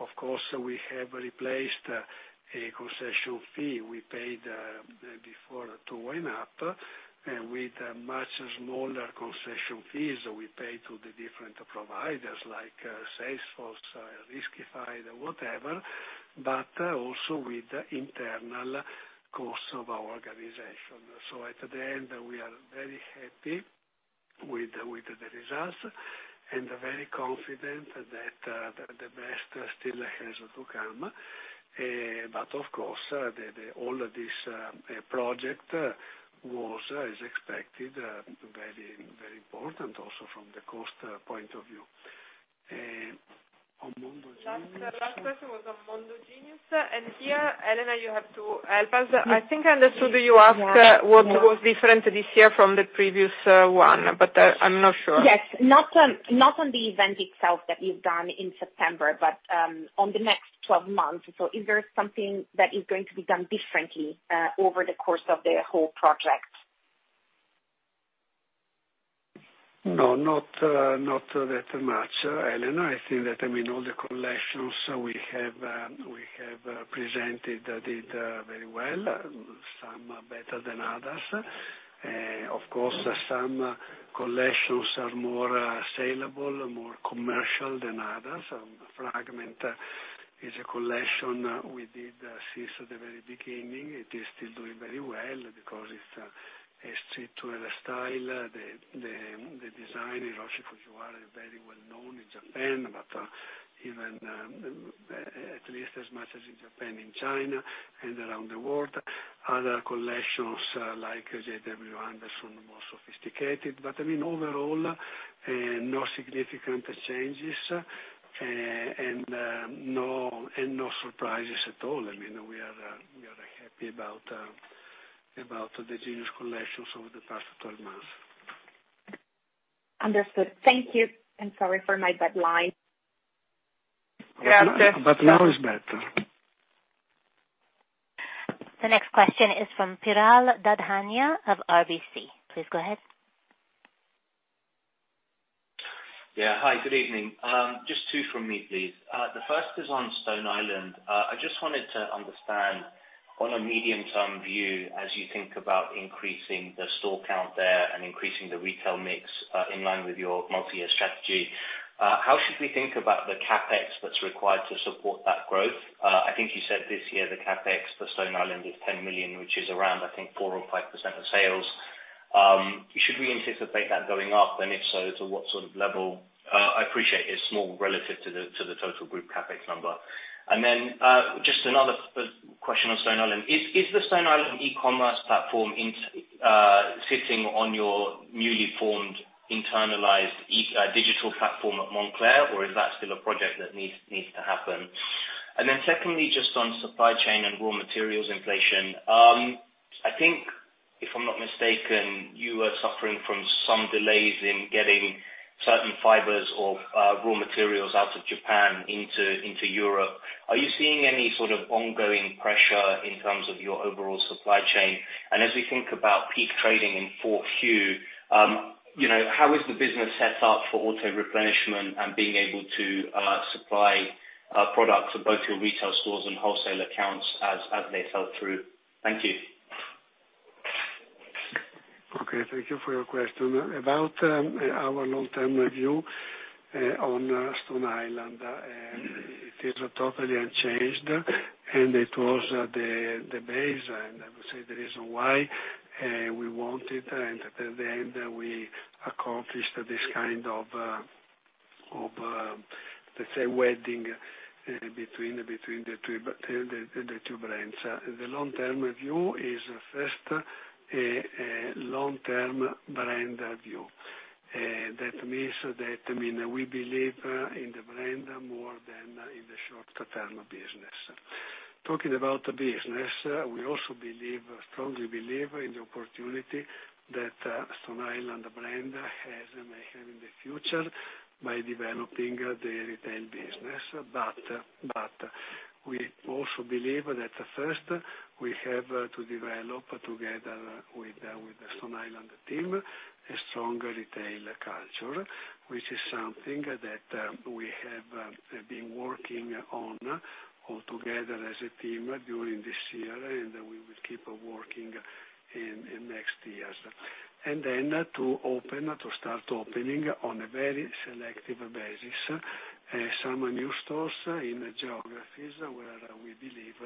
Of course, we have replaced a concession fee we paid before to YNAP with much smaller concession fees we pay to the different providers like Salesforce, Riskified or whatever, but also with internal costs of our organization. At the end, we are very happy with the results and very confident that the best still has to come. Of course all of this project was, as expected, very important also from the cost point of view. On Mondo Genius- Last question was on Mondo Genius. Here, Elena, you have to help us. I think I understood you ask what was different this year from the previous one, but I'm not sure. Yes. Not on the event itself that you've done in September, but on the next twelve months. Is there something that is going to be done differently over the course of the whole project? No, not that much, Elena. I think that, I mean, all the collections we have presented did very well. Some are better than others. Of course, some collections are more saleable, more commercial than others. Fragment is a collection we did since the very beginning. It is still doing very well because it's a streetwear style. The design, Hiroshi Fujiwara, very well known in Japan, but even at least as much as in Japan, in China and around the world. Other collections like JW Anderson, more sophisticated. I mean overall, no significant changes, and no surprises at all. I mean, we are happy about the Genius collections over the past 12 months. Understood. Thank you, and sorry for my bad line. Yeah. Now is better. The next question is from Piral Dadhania of RBC. Please go ahead. Yeah. Hi, good evening. Just two from me, please. The first is on Stone Island. I just wanted to understand on a medium-term view, as you think about increasing the store count there and increasing the retail mix, in line with your multi-year strategy, how should we think about the CapEx that's required to support that growth? I think you said this year the CapEx for Stone Island is 10 million, which is around, I think, 4%-5% of sales. Should we anticipate that going up? And if so, to what sort of level? I appreciate it's small relative to the total group CapEx number. Then, just another follow-up question on Stone Island. Is the Stone Island e-commerce platform sitting on your newly formed internalized digital platform at Moncler, or is that still a project that needs to happen? Then secondly, just on supply chain and raw materials inflation, I think, if I'm not mistaken, you are suffering from some delays in getting certain fibers or raw materials out of Japan into Europe. Are you seeing any sort of ongoing pressure in terms of your overall supply chain? As we think about peak trading in fourth Q, you know, how is the business set up for auto replenishment and being able to supply products for both your retail stores and wholesale accounts as they sell through? Thank you. Okay, thank you for your question. About our long-term review on Stone Island, it is totally unchanged, and it was the base, and I would say the reason why we wanted and at the end we accomplished this kind of, let's say, wedding between the two brands. The long-term view is first a long-term brand view. That means that, I mean, we believe in the brand more than in the short-term business. Talking about the business, we also believe, strongly believe in the opportunity that Stone Island brand has and may have in the future by developing the retail business. We also believe that first we have to develop together with the Stone Island team a stronger retail culture, which is something that we have been working on all together as a team during this year, and we will keep working in next years. Then to open or to start opening on a very selective basis some new stores in geographies where we believe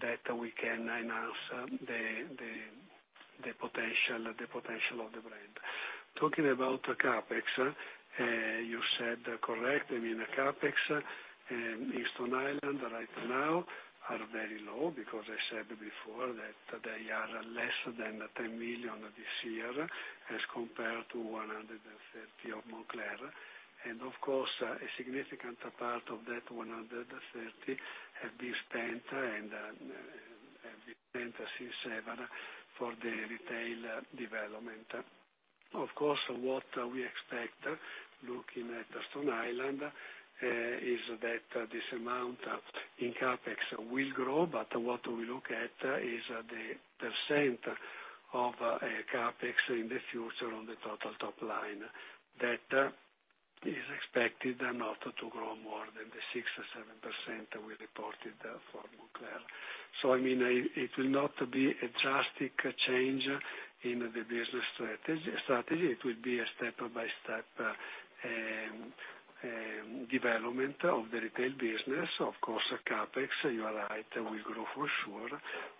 that we can enhance the potential of the brand. Talking about the CapEx, you said correct. I mean, the CapEx in Stone Island right now are very low because I said before that they are less than 10 million this year as compared to 130 million of Moncler. Of course, a significant part of that 130 million have been spent since ever for the retail development. Of course, what we expect looking at Stone Island is that this amount in CapEx will grow, but what we look at is the percent of CapEx in the future on the total top line that is expected not to grow more than the 6% or 7% we reported for Moncler. I mean, it will not be a drastic change in the business strategy. It will be a step-by-step development of the retail business. Of course, CapEx, you are right, will grow for sure,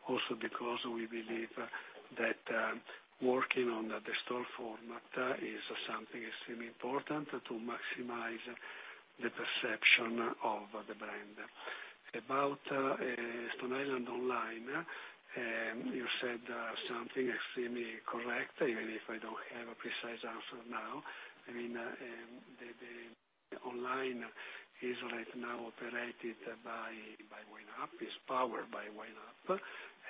also because we believe that working on the store format is something extremely important to maximize the perception of the brand. About Stone Island online, you said something extremely correct, even if I don't have a precise answer now. I mean, the online is right now operated by YOOX Net-A-Porter, is powered by YOOX Net-A-Porter,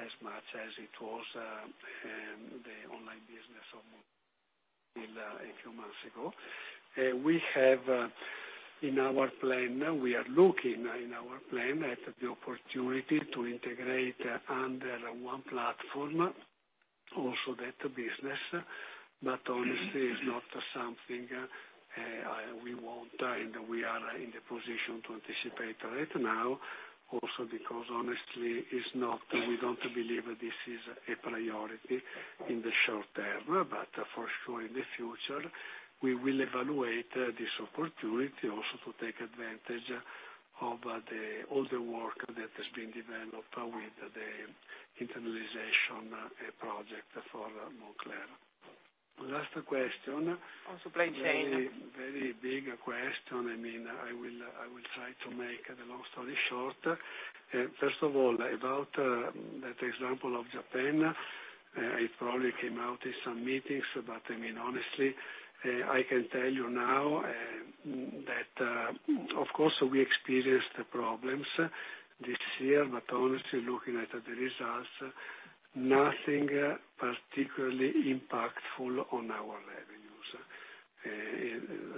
as much as it was the online business of Moncler until a few months ago. We have in our plan, we are looking in our plan at the opportunity to integrate under one platform also that business. But honestly, it's not something we want and we are in the position to anticipate right now also because honestly we don't believe this is a priority in the short term. But for sure, in the future, we will evaluate this opportunity also to take advantage of all the work that has been developed with the internalization project for Moncler. Last question. On supply chain. Very big question. I mean, I will try to make the long story short. First of all, about that example of Japan, it probably came out in some meetings, but I mean, honestly, I can tell you now, that of course, we experienced problems this year, but honestly, looking at the results, nothing particularly impactful on our revenues,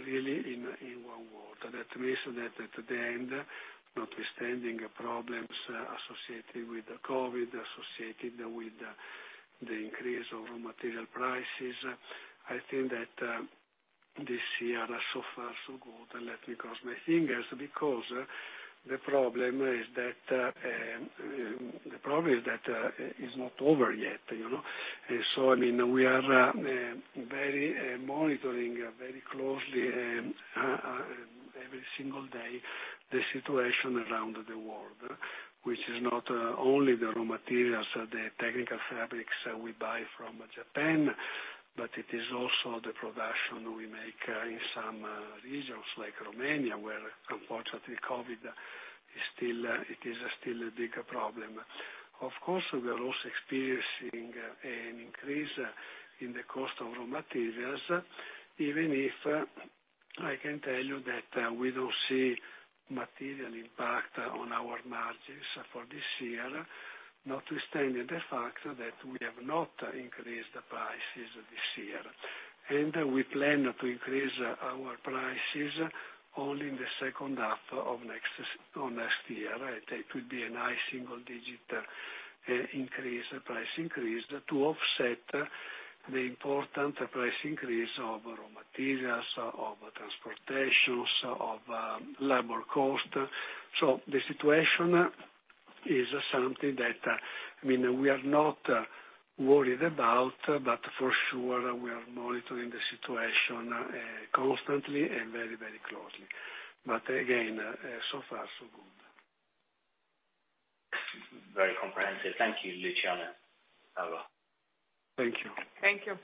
really in one word. That means that at the end, notwithstanding problems associated with COVID, associated with the increase of raw material prices. I think that this year so far so good. Let me cross my fingers because the problem is that it's not over yet, you know? I mean, we are monitoring very closely and every single day the situation around the world, which is not only the raw materials, the technical fabrics that we buy from Japan, but it is also the production we make in some regions like Romania, where unfortunately COVID is still a big problem. Of course, we are also experiencing an increase in the cost of raw materials, even if I can tell you that we don't see material impact on our margins for this year, notwithstanding the fact that we have not increased the prices this year. We plan to increase our prices only in the second half of next year. It will be a nice single-digit increase, price increase to offset the important price increase of raw materials, of transportation, of labor cost. The situation is something that, I mean, we are not worried about, but for sure we are monitoring the situation constantly and very, very closely. Again, so far, so good. Very comprehensive. Thank you, Luciano. Aura. Thank you. Thank you.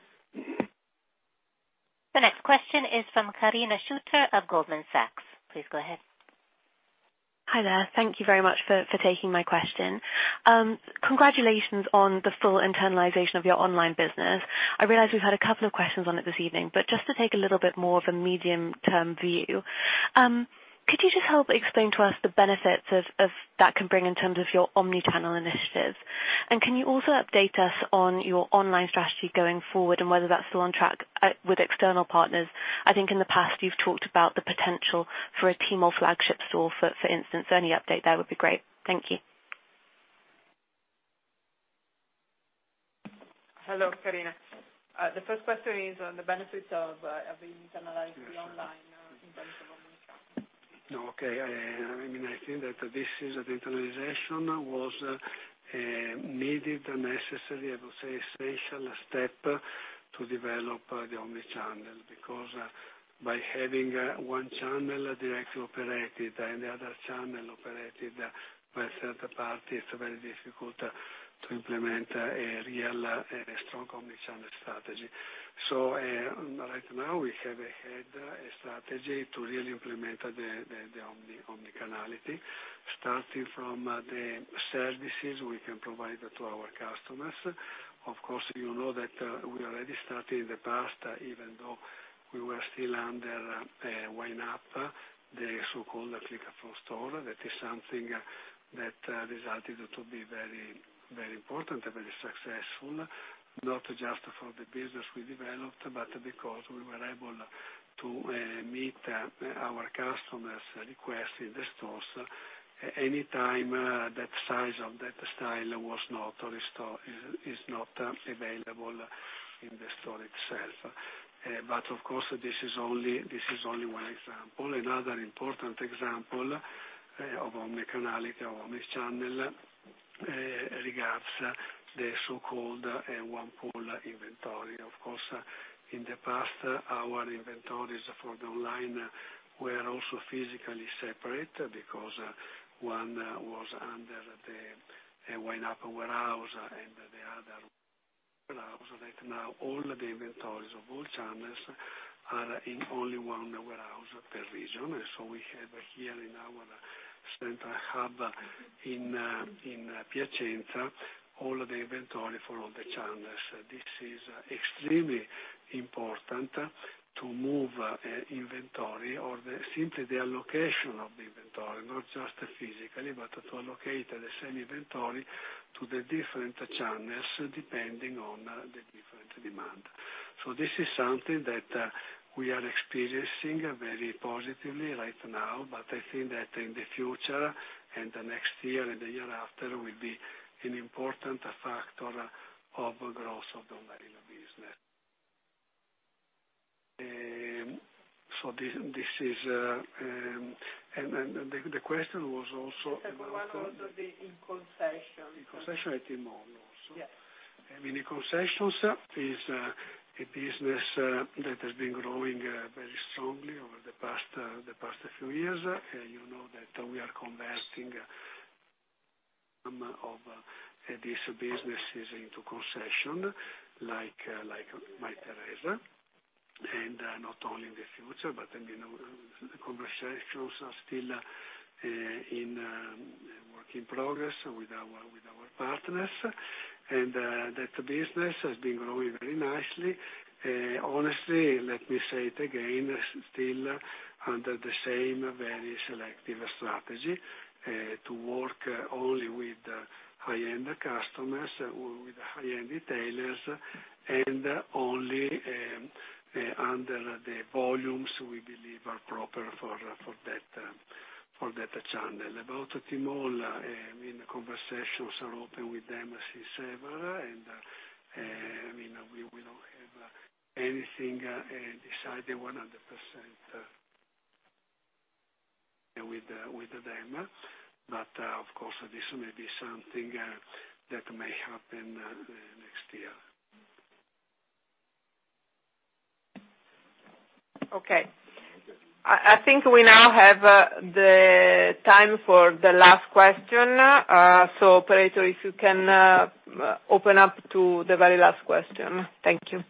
The next question is from Karina Schuster of Goldman Sachs. Please go ahead. Hi there. Thank you very much for taking my question. Congratulations on the full internalization of your online business. I realize we've had a couple of questions on it this evening, but just to take a little bit more of a medium-term view, could you just help explain to us the benefits of that can bring in terms of your omnichannel initiatives? Can you also update us on your online strategy going forward and whether that's still on track with external partners? I think in the past, you've talked about the potential for a Tmall flagship store, for instance. Any update there would be great. Thank you. Hello, Karina. The first question is on the benefits of internalizing the online in terms of omnichannel. I mean, I think that the internalization was needed and necessary. I would say essential step to develop the omnichannel, because by having one channel directly operated and the other channel operated by a third party, it's very difficult to implement a real and a strong omnichannel strategy. Right now we have had a strategy to really implement the omnichannel, starting from the services we can provide to our customers. Of course, you know that we already started in the past, even though we were still under YNAP, the so-called Click from Store. That is something that resulted to be very, very important, very successful, not just for the business we developed, but because we were able to meet our customers' request in the stores anytime that size of that style is not available in the store itself. Of course, this is only one example. Another important example of omni-canality or omni-channel regards the so-called single pool of inventory. Of course, in the past, our inventories for the online were also physically separate because one was under the YNAP warehouse and the other. Right now, all the inventories of all channels are in only one warehouse per region. We have here in our central hub in Piacenza, all the inventory for all the channels. This is extremely important to move inventory or simply the allocation of the inventory, not just physically, but to allocate the same inventory to the different channels depending on the different demand. This is something that we are experiencing very positively right now, but I think that in the future and the next year and the year after will be an important factor of growth of the retail business. The question was also about- The second one was the in concession. In concession at Tmall also. Yes. I mean, in concessions is a business that has been growing very strongly over the past few years. You know that we are converting some of these businesses into concession, like Mytheresa, and not only in the future, but I mean, the conversations are still in work in progress with our partners. That business has been growing very nicely. Honestly, let me say it again, still under the same very selective strategy to work only with high-end customers, with high-end retailers and only under the volumes we believe are proper for that channel. About Tmall, I mean, the conversations are open with them since ever, and I mean, we don't have anything decided 100% with them. Of course, this may be something that may happen next year. Okay. I think we now have the time for the last question. Operator, if you can open up to the very last question. Thank you.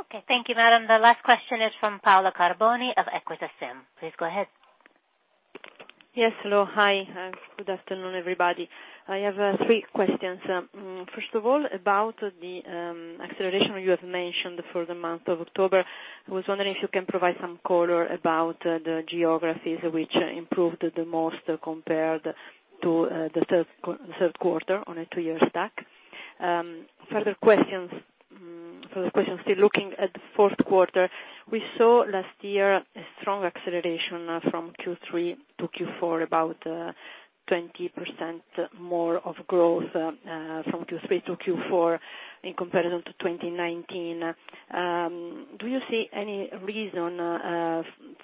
Okay. Thank you, madam. The last question is from Paola Carboni of EQUITA SIM. Please go ahead. Yes. Hello. Hi. Good afternoon, everybody. I have three questions. First of all, about the acceleration you have mentioned for the month of October, I was wondering if you can provide some color about the geographies which improved the most compared to the third quarter on a two-year stack. Further question, still looking at the fourth quarter, we saw last year a strong acceleration from Q3 to Q4, about 20% more of growth from Q3 to Q4 in comparison to 2019. Do you see any reason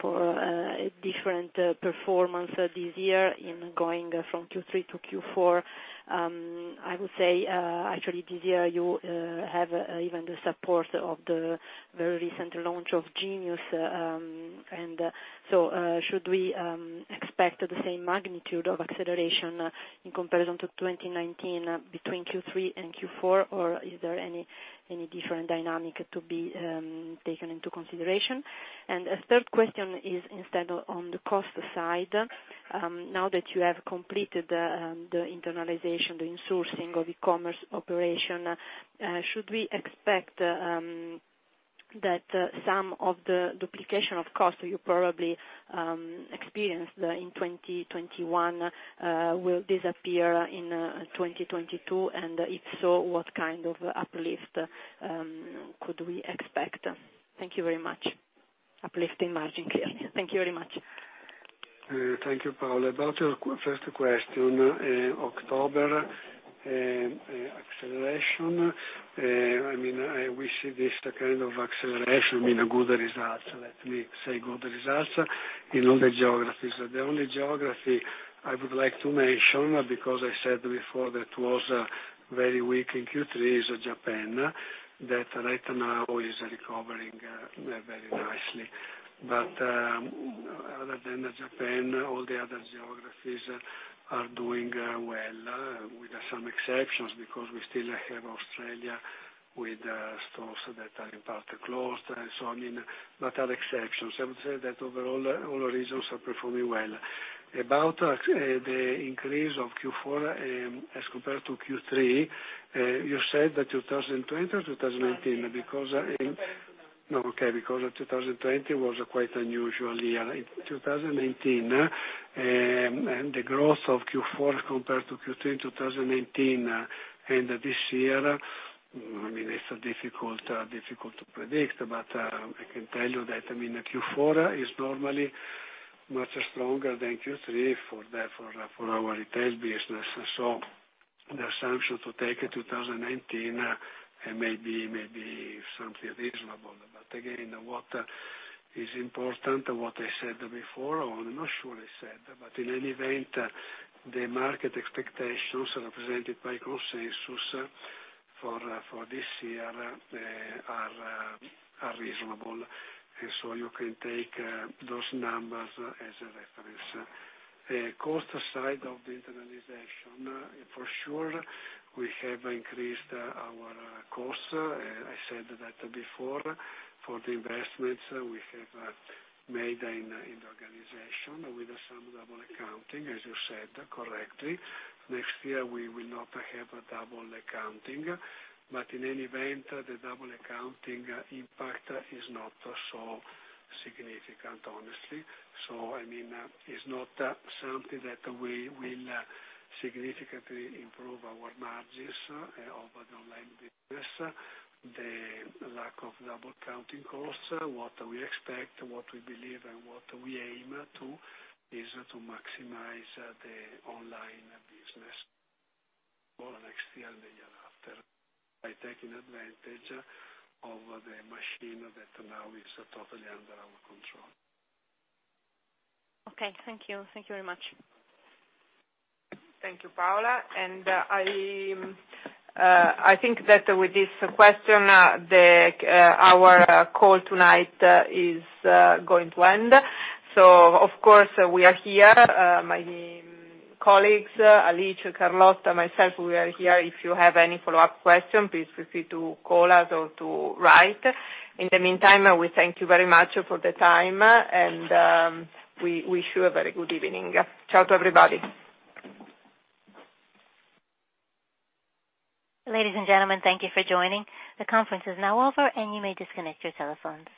for a different performance this year in going from Q3 to Q4? I would say actually this year you have even the support of the very recent launch of Genius. Should we expect the same magnitude of acceleration in comparison to 2019 between Q3 and Q4, or is there any different dynamic to be taken into consideration? A third question is instead on the cost side. Now that you have completed the internalization, the insourcing of e-commerce operation, should we expect that some of the duplication of costs you probably experienced in 2021 will disappear in 2022? If so, what kind of uplift could we expect? Thank you very much. Uplift in margin, clearly. Thank you very much. Thank you, Paola. About your first question, October acceleration, I mean, we see this kind of acceleration mean a good results. Let me say good results in all the geographies. The only geography I would like to mention, because I said before that was very weak in Q3, is Japan, that right now is recovering very nicely. Other than Japan, all the other geographies are doing well, with some exceptions, because we still have Australia with stores that are in part closed. I mean, but are exceptions. I would say that overall, all regions are performing well. About the increase of Q4, as compared to Q3, you said that 2020 or 2019? Because, 2019. No. Okay, because 2020 was a quite unusual year. In 2019 and the growth of Q4 compared to Q3 in 2019 and this year, I mean, it's difficult to predict. I can tell you that, I mean, Q4 is normally much stronger than Q3 for our retail business. The assumption to take in 2019 may be something reasonable. Again, what is important and what I said before, or I'm not sure I said, but in any event, the market expectations represented by consensus for this year are reasonable. You can take those numbers as a reference. The cost side of the internalization, for sure, we have increased our costs. I said that before, for the investments we have made in the organization, with some double accounting, as you said, correctly. Next year we will not have double accounting. In any event, the double accounting impact is not so significant, honestly. I mean, it's not something that we will significantly improve our margins of the online business. The lack of double counting costs, what we expect, what we believe, and what we aim to, is to maximize the online business for next year and the year after, by taking advantage of the machine that now is totally under our control. Okay, thank you. Thank you very much. Thank you, Paola. I think that with this question, our call tonight is going to end. Of course, we are here, my colleagues, Alice, Carlotta, myself, we are here. If you have any follow-up questions, please feel free to call us or to write. In the meantime, we thank you very much for the time, and we wish you a very good evening. Ciao to everybody. Ladies and gentlemen, thank you for joining. The conference is now over, and you may disconnect your telephones.